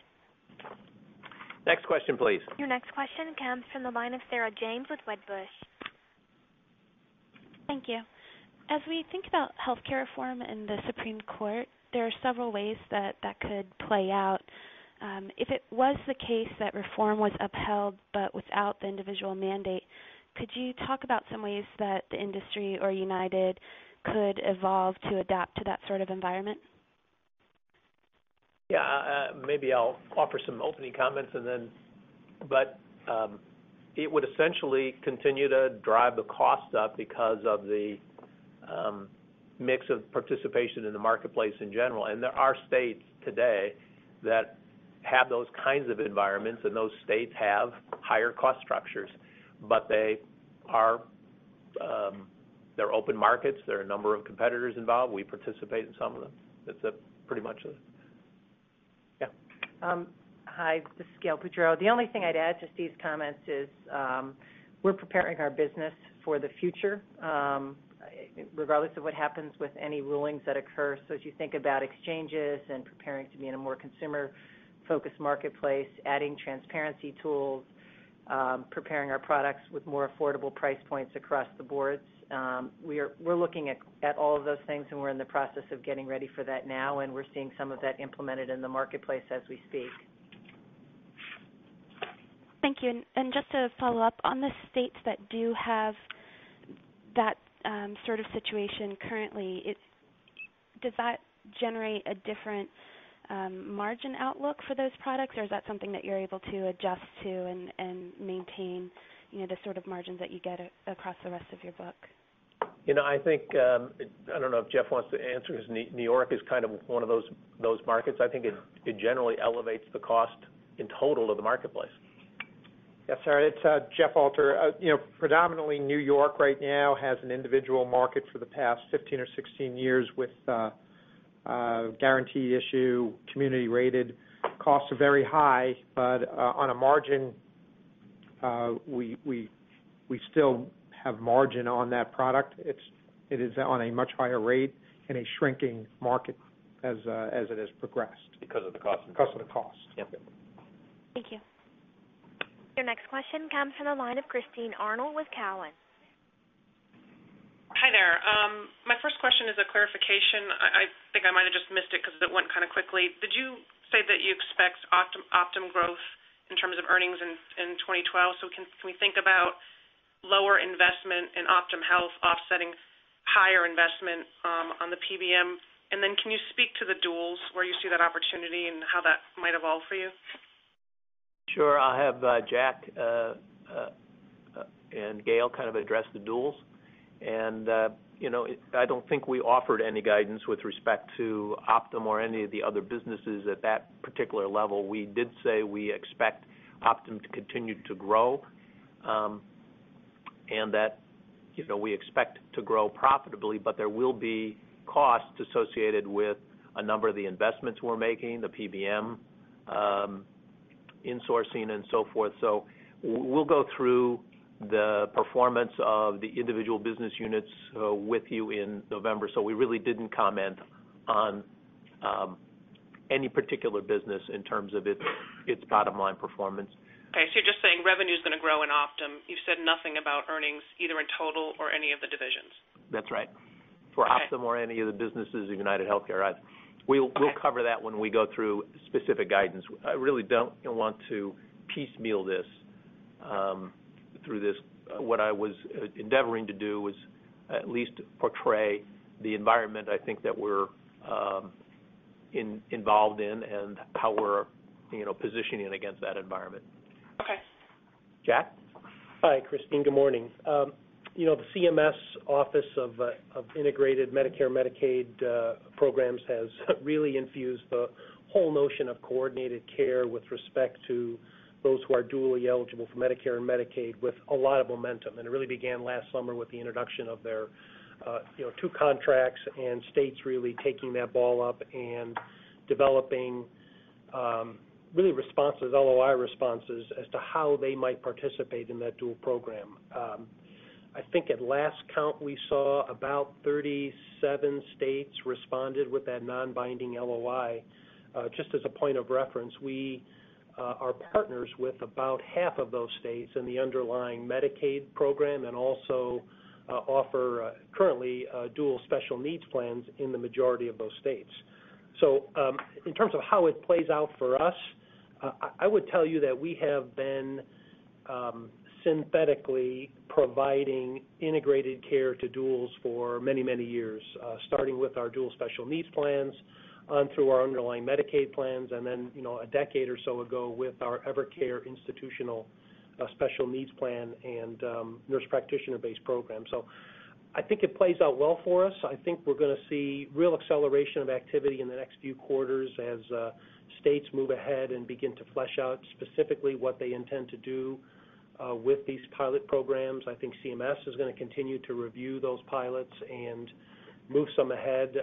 Next question, please. Your next question comes from the line of Sarah James with Wedbush. Thank you. As we think about healthcare reform and the Supreme Court, there are several ways that that could play out. If it was the case that reform was upheld but without the individual mandate, could you talk about some ways that the industry or UnitedHealth Group could evolve to adapt to that sort of environment? Yeah, maybe I'll offer some opening comments. It would essentially continue to drive the cost up because of the mix of participation in the marketplace in general. There are states today that have those kinds of environments, and those states have higher cost structures. They're open markets. There are a number of competitors involved. We participate in some of them. That's pretty much it. Yeah. Hi. This is Gail Boudreaux. The only thing I'd add to Steve's comments is we're preparing our business for the future regardless of what happens with any rulings that occur. As you think about exchanges and preparing to be in a more consumer-focused marketplace, adding transparency tools, preparing our products with more affordable price points across the board, we're looking at all of those things. We're in the process of getting ready for that now, and we're seeing some of that implemented in the marketplace as we speak. Thank you. Just to follow up on the states that do have that sort of situation currently, does that generate a different margin outlook for those products? Is that something that you're able to adjust to and maintain the sort of margins that you get across the rest of your book? I think I don't know if Jeff wants to answer because New York is kind of one of those markets. I think it generally elevates the cost in total to the marketplace. Sorry. It's Jeff Alter. Predominantly, New York right now has an individual market for the past 15 or 16 years with guarantee issue, community rated. Costs are very high. On a margin, we still have margin on that product. It is on a much higher rate in a shrinking market as it has progressed. Because of the cost. Because of the cost. Yeah. Thank you. Your next question comes from the line of Christine Arnold with Cowen. Hi there. My first question is a clarification. I think I might have just missed it because it went kind of quickly. Did you say that you expect Optum growth in terms of earnings in 2012? Can we think about lower investment in Optum Health offsetting higher investment on the PBM business? Can you speak to the dual-eligible populations, where you see that opportunity, and how that might evolve for you? Sure. Jack and Gail kind of addressed the dual-eligible populations. I don't think we offered any guidance with respect to Optum or any of the other businesses at that particular level. We did say we expect Optum to continue to grow and that we expect to grow profitably. There will be costs associated with a number of the investments we're making, the PBM insourcing, and so forth. We will go through the performance of the individual business units with you in November. We really didn't comment on any particular business in terms of its bottom line performance. I see you're just saying revenue is going to grow in Optum. You've said nothing about earnings either in total or any of the divisions. That's right for Optum or any of the businesses of UnitedHealthcare. We'll cover that when we go through specific guidance. I really don't want to piecemeal this. What I was endeavoring to do was at least portray the environment I think that we're involved in and how we're positioning against that environment. OK. Jack? Hi, Christine. Good morning. The CMS Office of Integrated Medicare/Medicaid Programs has really infused the whole notion of coordinated care with respect to those who are dually eligible for Medicare and Medicaid with a lot of momentum. It really began last summer with the introduction of their two contracts and states really taking that ball up and developing responses, LOI responses as to how they might participate in that dual program. I think at last count, we saw about 37 states responded with that non-binding LOI. Just as a point of reference, we are partners with about half of those states in the underlying Medicaid program and also offer currently dual special needs plans in the majority of those states. In terms of how it plays out for us, I would tell you that we have been synthetically providing integrated care to duals for many, many years, starting with our dual special needs plans on through our underlying Medicaid plans and then a decade or so ago with our Evercare institutional special needs plan and nurse practitioner-based program. I think it plays out well for us. I think we're going to see real acceleration of activity in the next few quarters as states move ahead and begin to flesh out specifically what they intend to do with these pilot programs. I think CMS is going to continue to review those pilots and move some ahead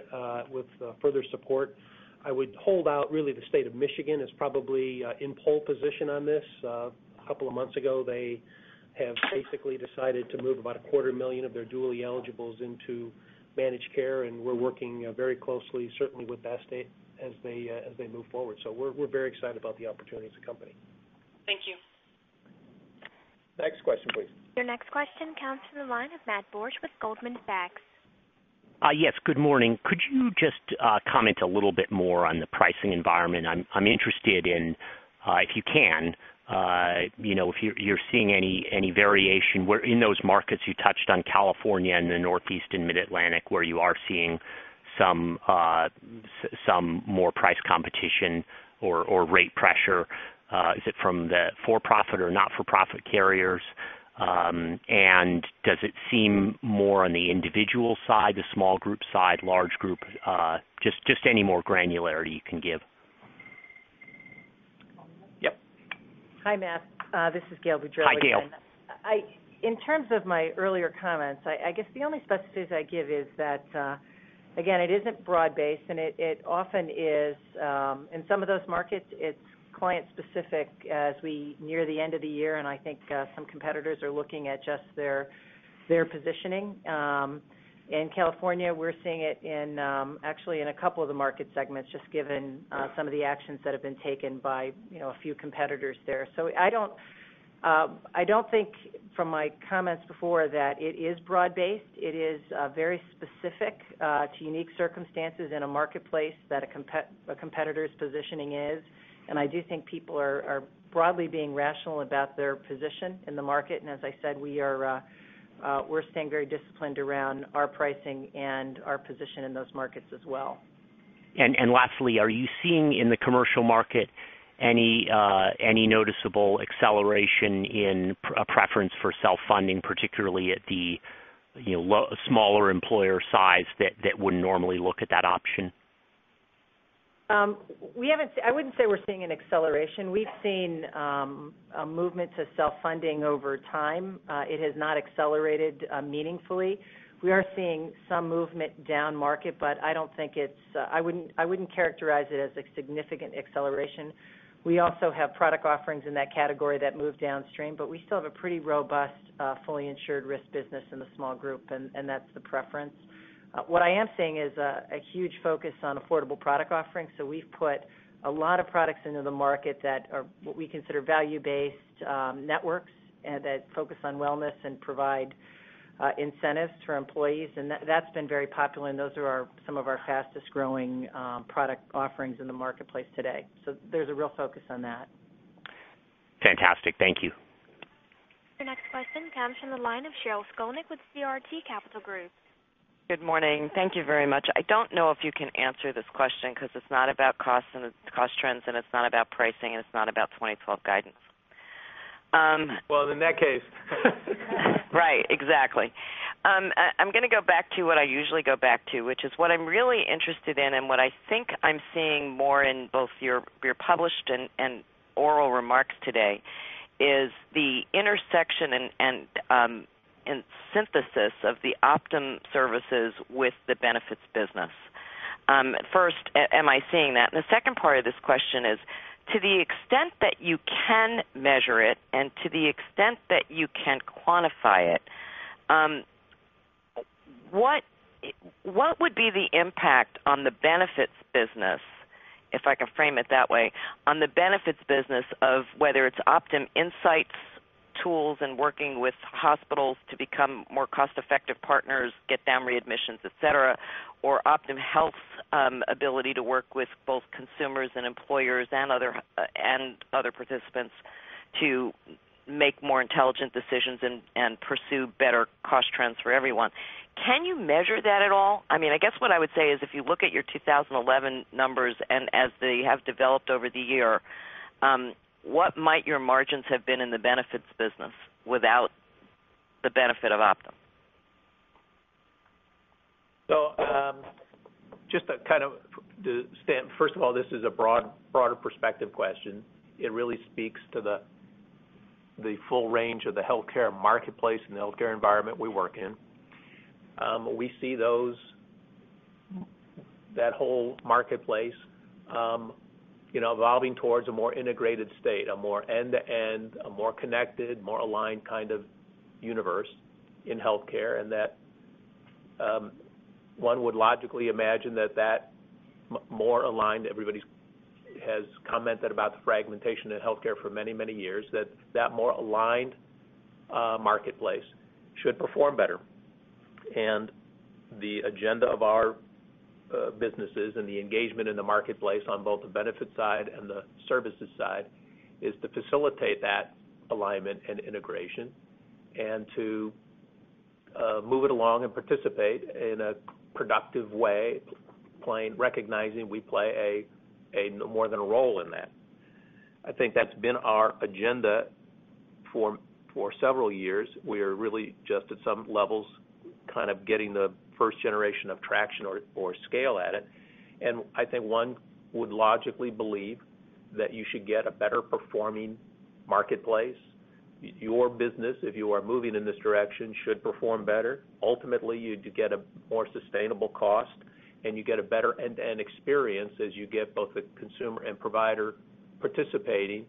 with further support. I would hold out the state of Michigan is probably in pole position on this. A couple of months ago, they have basically decided to move about a quarter million of their dually eligibles into managed care. We're working very closely, certainly with that state as they move forward. We're very excited about the opportunity as a company. Thank you. Next question, please. Your next question comes from the line of Matt Borsch with Goldman Sachs. Yes. Good morning. Could you just comment a little bit more on the pricing environment? I'm interested in, if you can, if you're seeing any variation in those markets. You touched on California and the Northeast and Mid-Atlantic where you are seeing some more price competition or rate pressure. Is it from the for-profit or not-for-profit carriers? Does it seem more on the individual side, the small group side, large group? Just any more granularity you can give. Yep. Hi, Matt. This is Gail Boudreaux. Hi, Gail. In terms of my earlier comments, the only specificity I'd give is that, again, it isn't broad-based. It often is, in some of those markets, client-specific as we near the end of the year. I think some competitors are looking at just their positioning. In California, we're seeing it actually in a couple of the market segments, just given some of the actions that have been taken by a few competitors there. I don't think, from my comments before, that it is broad-based. It is very specific to unique circumstances in a marketplace that a competitor's positioning is. I do think people are broadly being rational about their position in the market. As I said, we're staying very disciplined around our pricing and our position in those markets as well. Are you seeing in the commercial market any noticeable acceleration in a preference for self-funding, particularly at the smaller employer size that wouldn't normally look at that option? I wouldn't say we're seeing an acceleration. We've seen movements of self-funding over time. It has not accelerated meaningfully. We are seeing some movement down market. I wouldn't characterize it as a significant acceleration. We also have product offerings in that category that move downstream. We still have a pretty robust fully insured risk business in the small group, and that's the preference. What I am seeing is a huge focus on affordable product offerings. We've put a lot of products into the market that are what we consider value-based networks that focus on wellness and provide incentives to our employees. That's been very popular, and those are some of our fastest growing product offerings in the marketplace today. There's a real focus on that. Fantastic. Thank you. Your next question comes from the line of Sheryl Skolnick with CRT Capital Group. Good morning. Thank you very much. I don't know if you can answer this question because it's not about cost trends, it's not about pricing, and it's not about 2012 guidance. In that case. Right, exactly. I'm going to go back to what I usually go back to, which is what I'm really interested in and what I think I'm seeing more in both your published and oral remarks today is the intersection and synthesis of the Optum services with the benefits business. First, am I seeing that? The second part of this question is, to the extent that you can measure it and to the extent that you can quantify it, what would be the impact on the benefits business, if I can frame it that way, on the benefits business of whether it's Optum Insight's tools and working with hospitals to become more cost-effective partners, get down readmissions, et cetera, or Optum Health's ability to work with both consumers and employers and other participants to make more intelligent decisions and pursue better cost trends for everyone? Can you measure that at all? I mean, I guess what I would say is if you look at your 2011 numbers and as they have developed over the year, what might your margins have been in the benefits business without the benefit of Optum? Just to kind of stamp this, first of all, this is a broader perspective question. It really speaks to the full range of the healthcare marketplace and the healthcare environment we work in. We see that whole marketplace evolving towards a more integrated state, a more end-to-end, a more connected, more aligned kind of universe in healthcare. One would logically imagine that that more aligned—everybody has commented about the fragmentation in healthcare for many, many years—that that more aligned marketplace should perform better. The agenda of our businesses and the engagement in the marketplace on both the benefits side and the services side is to facilitate that alignment and integration, to move it along, and participate in a productive way, recognizing we play more than a role in that. I think that's been our agenda for several years. We are really just at some levels kind of getting the first generation of traction or scale at it. I think one would logically believe that you should get a better performing marketplace. Your business, if you are moving in this direction, should perform better. Ultimately, you'd get a more sustainable cost, and you get a better end-to-end experience as you get both a consumer and provider participating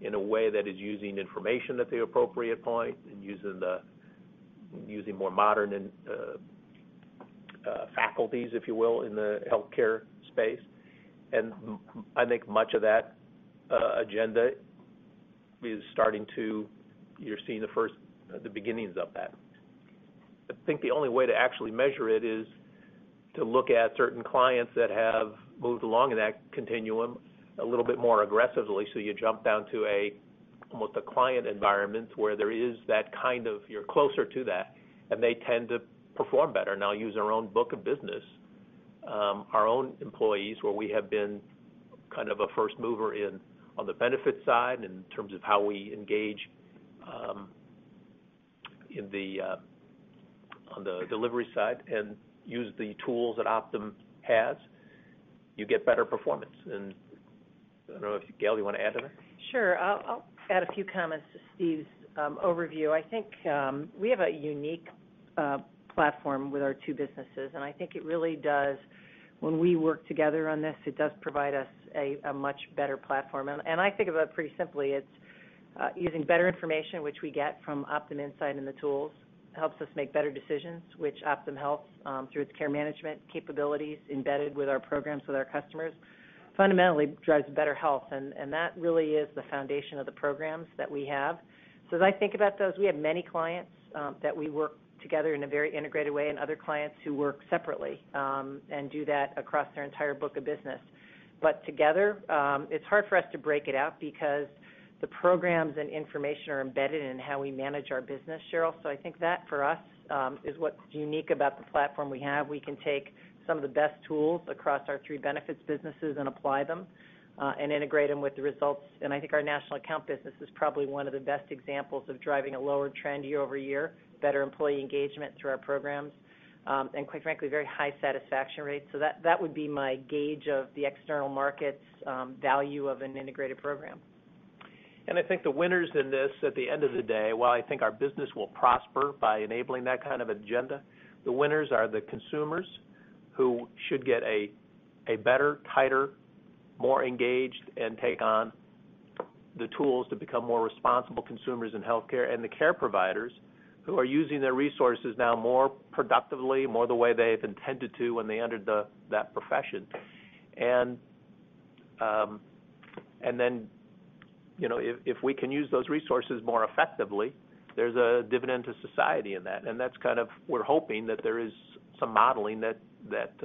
in a way that is using information at the appropriate point and using more modern faculties, if you will, in the healthcare space. I think much of that agenda is starting to—you're seeing the beginnings of that. I think the only way to actually measure it is to look at certain clients that have moved along in that continuum a little bit more aggressively. You jump down to almost a client environment where you're closer to that, and they tend to perform better. Now, using our own book of business, our own employees, where we have been kind of a first mover on the benefits side in terms of how we engage on the delivery side and use the tools that Optum has, you get better performance. I don't know if, Gail, do you want to add to that? Sure. I'll add a few comments to Steve's overview. I think we have a unique platform with our two businesses. I think it really does, when we work together on this, provide us a much better platform. I think of it pretty simply. It's using better information, which we get from Optum Insight and the tools, helps us make better decisions, which Optum Health, through its care management capabilities embedded with our programs with our customers, fundamentally drives better health. That really is the foundation of the programs that we have. As I think about those, we have many clients that we work together in a very integrated way and other clients who work separately and do that across their entire book of business. Together, it's hard for us to break it out because the programs and information are embedded in how we manage our business, Sheryl. I think that for us is what's unique about the platform we have. We can take some of the best tools across our three benefits businesses and apply them and integrate them with the results. I think our national account business is probably one of the best examples of driving a lower trend year over year, better employee engagement through our programs, and quite frankly, very high satisfaction rates. That would be my gauge of the external market's value of an integrated program. I think the winners in this, at the end of the day, while I think our business will prosper by enabling that kind of agenda, are the consumers who should get a better, tighter, more engaged and take on the tools to become more responsible consumers in healthcare, and the care providers who are using their resources now more productively, more the way they have intended to when they entered that profession. If we can use those resources more effectively, there's a dividend to society in that. That's kind of we're hoping that there is some modeling that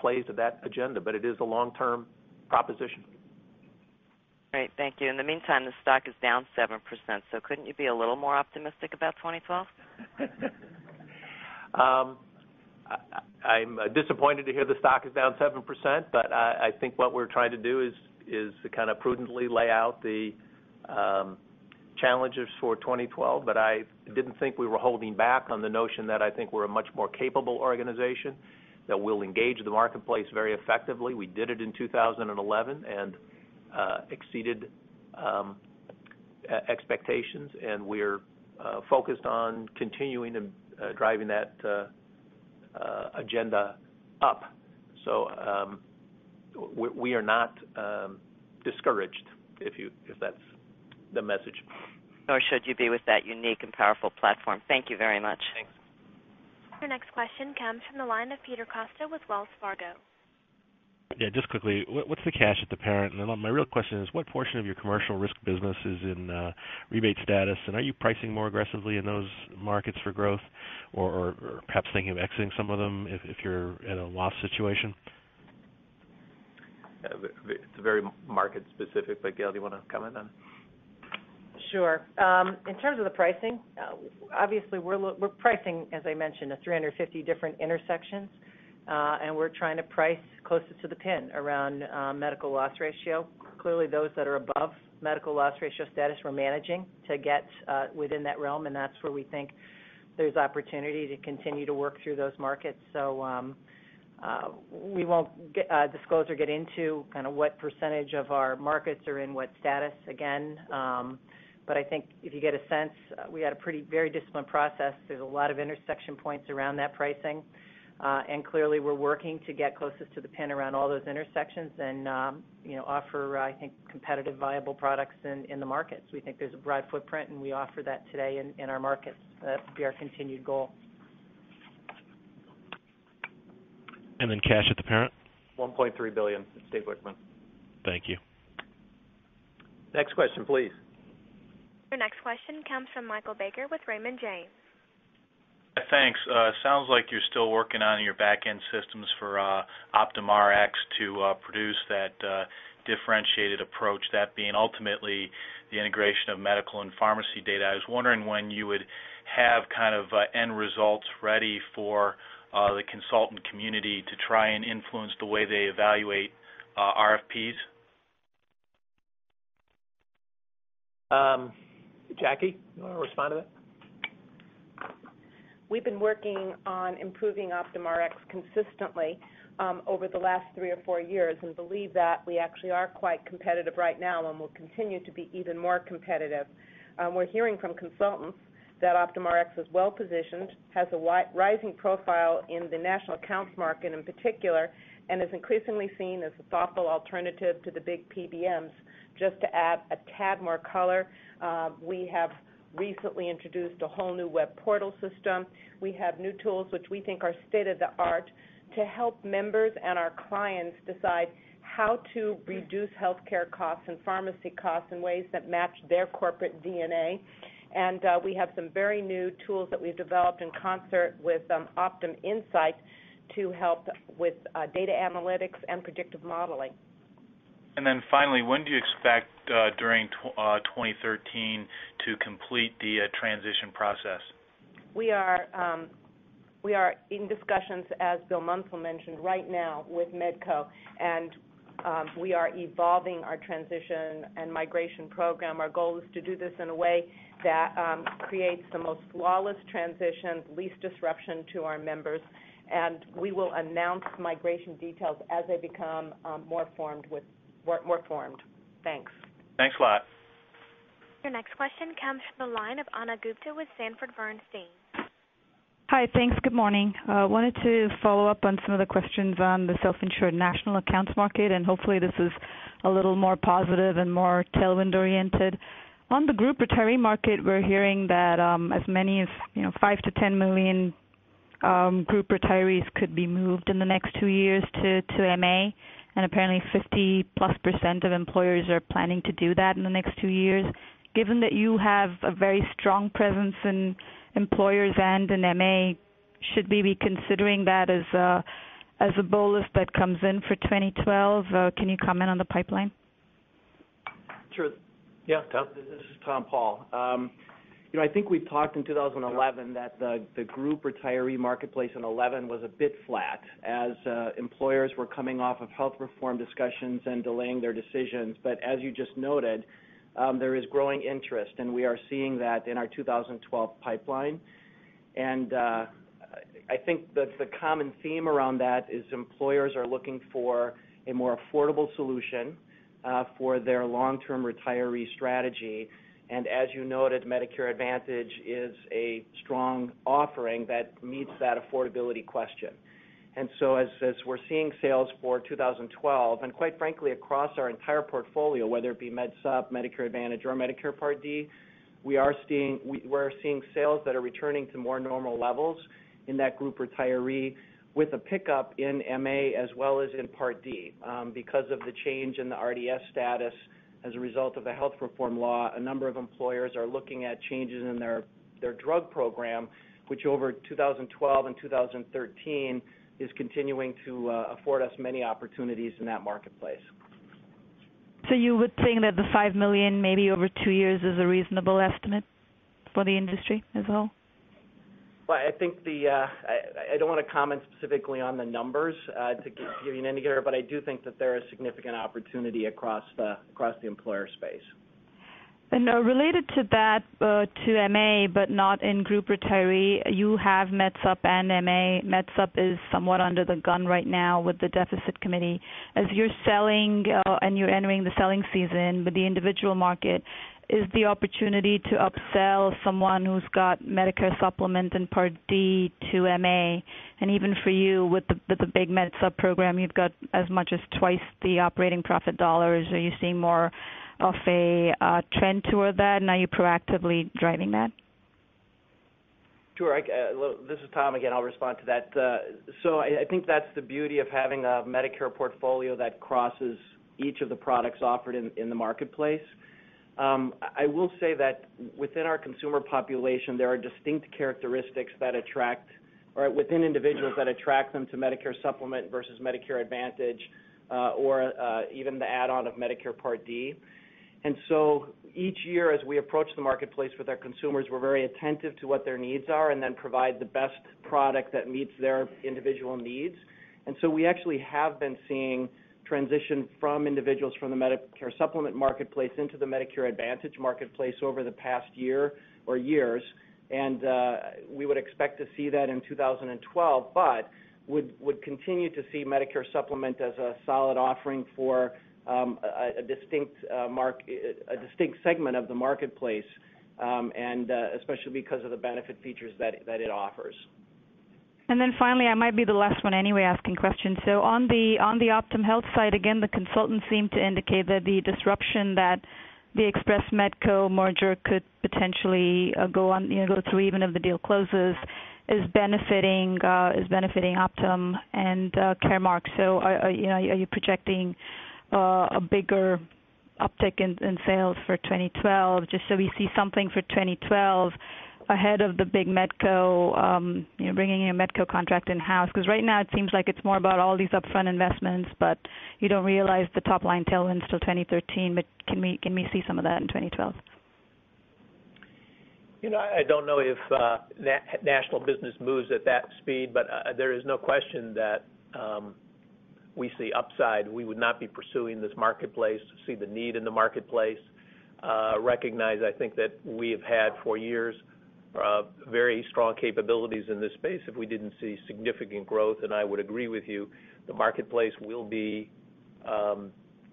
plays at that agenda. It is a long-term proposition. Great. Thank you. In the meantime, the stock is down 7%. Couldn't you be a little more optimistic about 2012? I'm disappointed to hear the stock is down 7%. I think what we're trying to do is to kind of prudently lay out the challenges for 2012. I didn't think we were holding back on the notion that I think we're a much more capable organization that will engage the marketplace very effectively. We did it in 2011 and exceeded expectations, and we're focused on continuing and driving that agenda up. We are not discouraged, if that's the message. Nor should you be with that unique and powerful platform. Thank you very much. Thanks. Your next question comes from the line of Peter Costa with Wells Fargo. Good. Just Quickly, what's the cash at the parent? My real question is, what portion of your commercial risk business is in rebate status, and are you pricing more aggressively in those markets for growth, or perhaps thinking of exiting some of them if you're in a loss situation? It's very market-specific, but Gail, do you want to come in then? Sure. In terms of the pricing, obviously we're pricing, as I mentioned, at 350 different intersections. We're trying to price closer to the pin around medical loss ratio. Clearly, those that are above medical loss ratio status we're managing to get within that realm. That's where we think there's opportunity to continue to work through those markets. We won't disclose or get into what % of our markets are in what status again. I think if you get a sense, we had a pretty very disciplined process. There's a lot of intersection points around that pricing. Clearly, we're working to get closest to the pin around all those intersections and offer, I think, competitive viable products in the markets. We think there's a broad footprint and we offer that today in our markets. That would be our continued goal. Cash apparent? $1.3 billion. It stays with me. Thank you. Next question, please. Our next question comes from Michael Baker with Raymond James. Thanks. It sounds like you're still working on your backend systems for Optum Rx to produce that differentiated approach, that being ultimately the integration of medical and pharmacy data. I was wondering when you would have kind of end results ready for the consultant community to try and influence the way they evaluate RFPs? Jackie, do you want to respond to that? We've been working on improving Optum Rx consistently over the last three or four years and believe that we actually are quite competitive right now and will continue to be even more competitive. We're hearing from consultants that Optum Rx is well positioned, has a rising profile in the national accounts market in particular, and is increasingly seen as a thoughtful alternative to the big PBMs. To add a tad more color, we have recently introduced a whole new web portal system. We have new tools which we think are state of the art to help members and our clients decide how to reduce healthcare costs and pharmacy costs in ways that match their corporate DNA. We have some very new tools that we've developed in concert with Optum Insight to help with data analytics and predictive modeling. When do you expect during 2013 to complete the transition process? We are in discussions, as Bill Munsell mentioned, right now with Medco. We are evolving our transition and migration program. Our goal is to do this in a way that creates the most flawless transition, least disruption to our members. We will announce migration details as they become more formed. Thanks. Thanks a lot. Our next question comes from the line of Ana Gupta with Sanford Bernstein. Hi, thanks. Good morning. I wanted to follow up on some of the questions on the self-insured national accounts market. Hopefully, this is a little more positive and more tailwind-oriented. On the group retiree market, we're hearing that as many as 5-10 million group retirees could be moved in the next two years to MA. Apparently, 50%+ of employers are planning to do that in the next two years. Given that you have a very strong presence in employers and in MA, should we be considering that as a bolus that comes in for 2012? Can you comment on the pipeline? Sure. Yeah, this is Tom Paul. I think we talked in 2011 that the group retiree marketplace in 2011 was a bit flat as employers were coming off of health reform discussions and delaying their decisions. As you just noted, there is growing interest. We are seeing that in our 2012 pipeline. I think that the common theme around that is employers are looking for a more affordable solution for their long-term retiree strategy. As you noted, Medicare Advantage is a strong offering that meets that affordability question. As we're seeing sales for 2012, and quite frankly, across our entire portfolio, whether it be MedSup, Medicare Advantage, or Medicare Part D, we are seeing sales that are returning to more normal levels in that group retiree with a pickup in MA as well as in Part D. Because of the change in the RDS status as a result of the health reform law, a number of employers are looking at changes in their drug program, which over 2012 and 2013 is continuing to afford us many opportunities in that marketplace. Would you think that the 5 million maybe over two years is a reasonable estimate for the industry as a whole? I don't want to comment specifically on the numbers to give you an indicator, but I do think that there is significant opportunity across the employer space. Related to that, to MA, but not in group retiree, you have MedSup and MA. MedSup is somewhat under the gun right now with the deficit committee. As you're selling and you're entering the selling season with the individual market, is the opportunity to upsell someone who's got Medicare supplement and Part D to MA? Even for you with the big MedSup program, you've got as much as twice the operating profit dollars. Are you seeing more of a trend toward that? Are you proactively driving that? Sure. I think that's the beauty of having a Medicare portfolio that crosses each of the products offered in the marketplace. I will say that within our consumer population, there are distinct characteristics that attract, or within individuals, that attract them to Medicare supplement versus Medicare Advantage or even the add-on of Medicare Part D. Each year, as we approach the marketplace with our consumers, we're very attentive to what their needs are and then provide the best product that meets their individual needs. We actually have been seeing transition from individuals from the Medicare supplement marketplace into the Medicare Advantage marketplace over the past year or years. We would expect to see that in 2012, but would continue to see Medicare supplement as a solid offering for a distinct segment of the marketplace, especially because of the benefit features that it offers. Finally, I might be the last one anyway asking questions. On the Optum Health side, again, the consultants seem to indicate that the disruption that the Express Medco merger could potentially go through, even if the deal closes, is benefiting Optum and Caremark. Are you projecting a bigger uptick in sales for 2012? Just so we see something for 2012 ahead of the big Medco bringing in a Medco contract in-house? Right now, it seems like it's more about all these upfront investments, but you don't realize the top line tailwinds till 2013. Can we see some of that in 2012? I don't know if national business moves at that speed, but there is no question that we see upside. We would not be pursuing this marketplace, see the need in the marketplace, recognize, I think, that we have had for years very strong capabilities in this space, if we didn't see significant growth. I would agree with you, the marketplace will be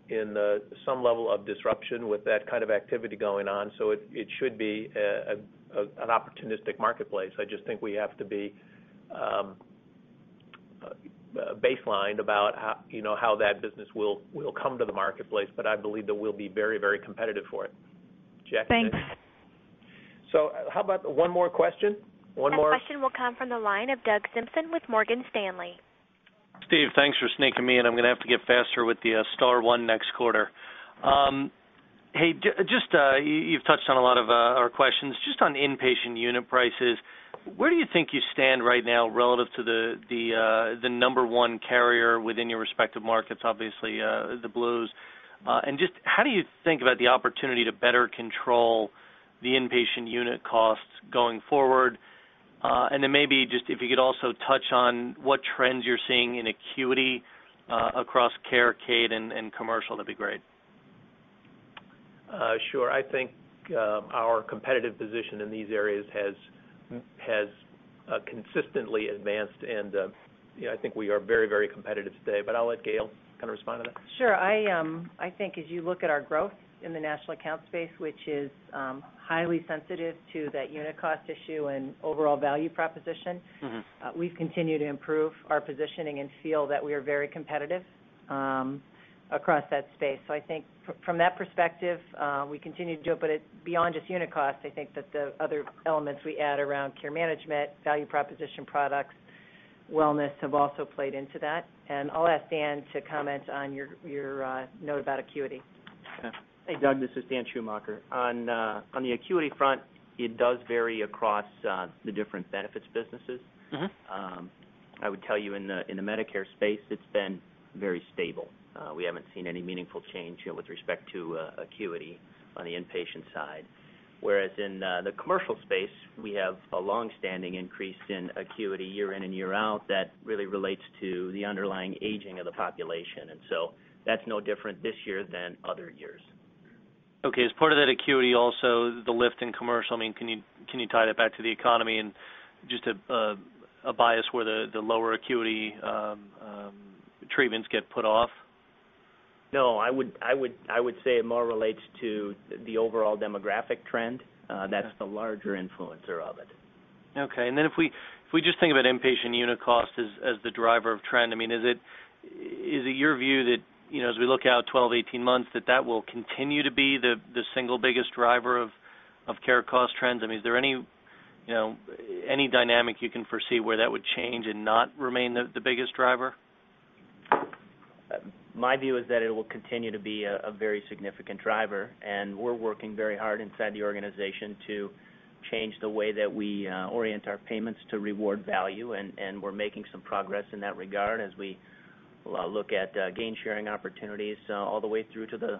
in some level of disruption with that kind of activity going on. It should be an opportunistic marketplace. I just think we have to be baselined about how that business will come to the marketplace. I believe that we'll be very, very competitive for it. Thanks. How about one more question? Our next question will come from the line of Doug Simpson with Morgan Stanley. Steve, thanks for sneaking me in. I'm going to have to get faster with the star one next quarter. You've touched on a lot of our questions. On inpatient unit prices, where do you think you stand right now relative to the number one carrier within your respective markets, obviously the Blues? How do you think about the opportunity to better control the inpatient unit costs going forward? If you could also touch on what trends you're seeing in acuity across care, CADE, and commercial, that'd be great. Sure. I think our competitive position in these areas has consistently advanced. I think we are very, very competitive today. I'll let Gail kind of respond to that. Sure. I think as you look at our growth in the national account space, which is highly sensitive to that unit cost issue and overall value proposition, we've continued to improve our positioning and feel that we are very competitive across that space. I think from that perspective, we continue to do it. Beyond just unit cost, I think that the other elements we add around care management, value proposition, products, wellness have also played into that. I'll ask Dan to comment on your note about acuity. Hey, Doug. This is Dan Schumacher. On the acuity front, it does vary across the different benefits businesses. I would tell you in the Medicare space, it's been very stable. We haven't seen any meaningful change with respect to acuity on the inpatient side. Whereas in the commercial space, we have a longstanding increase in acuity year in and year out that really relates to the underlying aging of the population. That's no different this year than other years. OK. As part of that acuity also, the lift in commercial, can you tie that back to the economy and just a bias where the lower acuity treatments get put off? No, I would say it more relates to the overall demographic trend. That's the larger influencer of it. OK. If we just think about inpatient unit costs as the driver of trend, is it your view that as we look out 12, 18 months, that that will continue to be the single biggest driver of care cost trends? Is there any dynamic you can foresee where that would change and not remain the biggest driver? My view is that it will continue to be a very significant driver. We are working very hard inside the organization to change the way that we orient our payments to reward value. We are making some progress in that regard as we look at gain sharing opportunities all the way through to the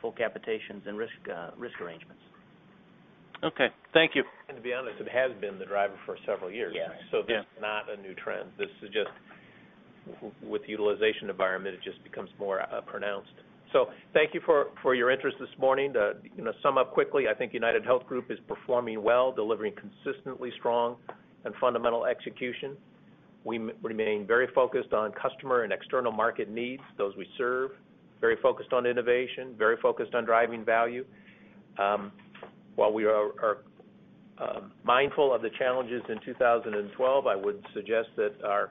full capitations and risk arrangements. OK, thank you. To be honest, it has been the driver for several years. This is not a new trend. With the utilization environment, it just becomes more pronounced. Thank you for your interest this morning. To sum up quickly, I think UnitedHealth Group is performing well, delivering consistently strong and fundamental execution. We remain very focused on customer and external market needs, those we serve, very focused on innovation, very focused on driving value. While we are mindful of the challenges in 2012, I would suggest that our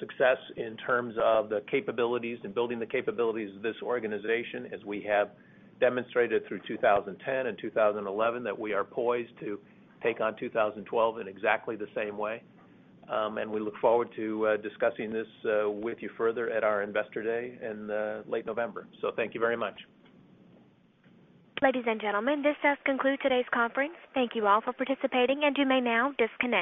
success in terms of the capabilities and building the capabilities of this organization, as we have demonstrated through 2010 and 2011, that we are poised to take on 2012 in exactly the same way. We look forward to discussing this with you further at our Investor Day in late November. Thank you very much. Ladies and gentlemen, this does conclude today's conference. Thank you all for participating. You may now disconnect.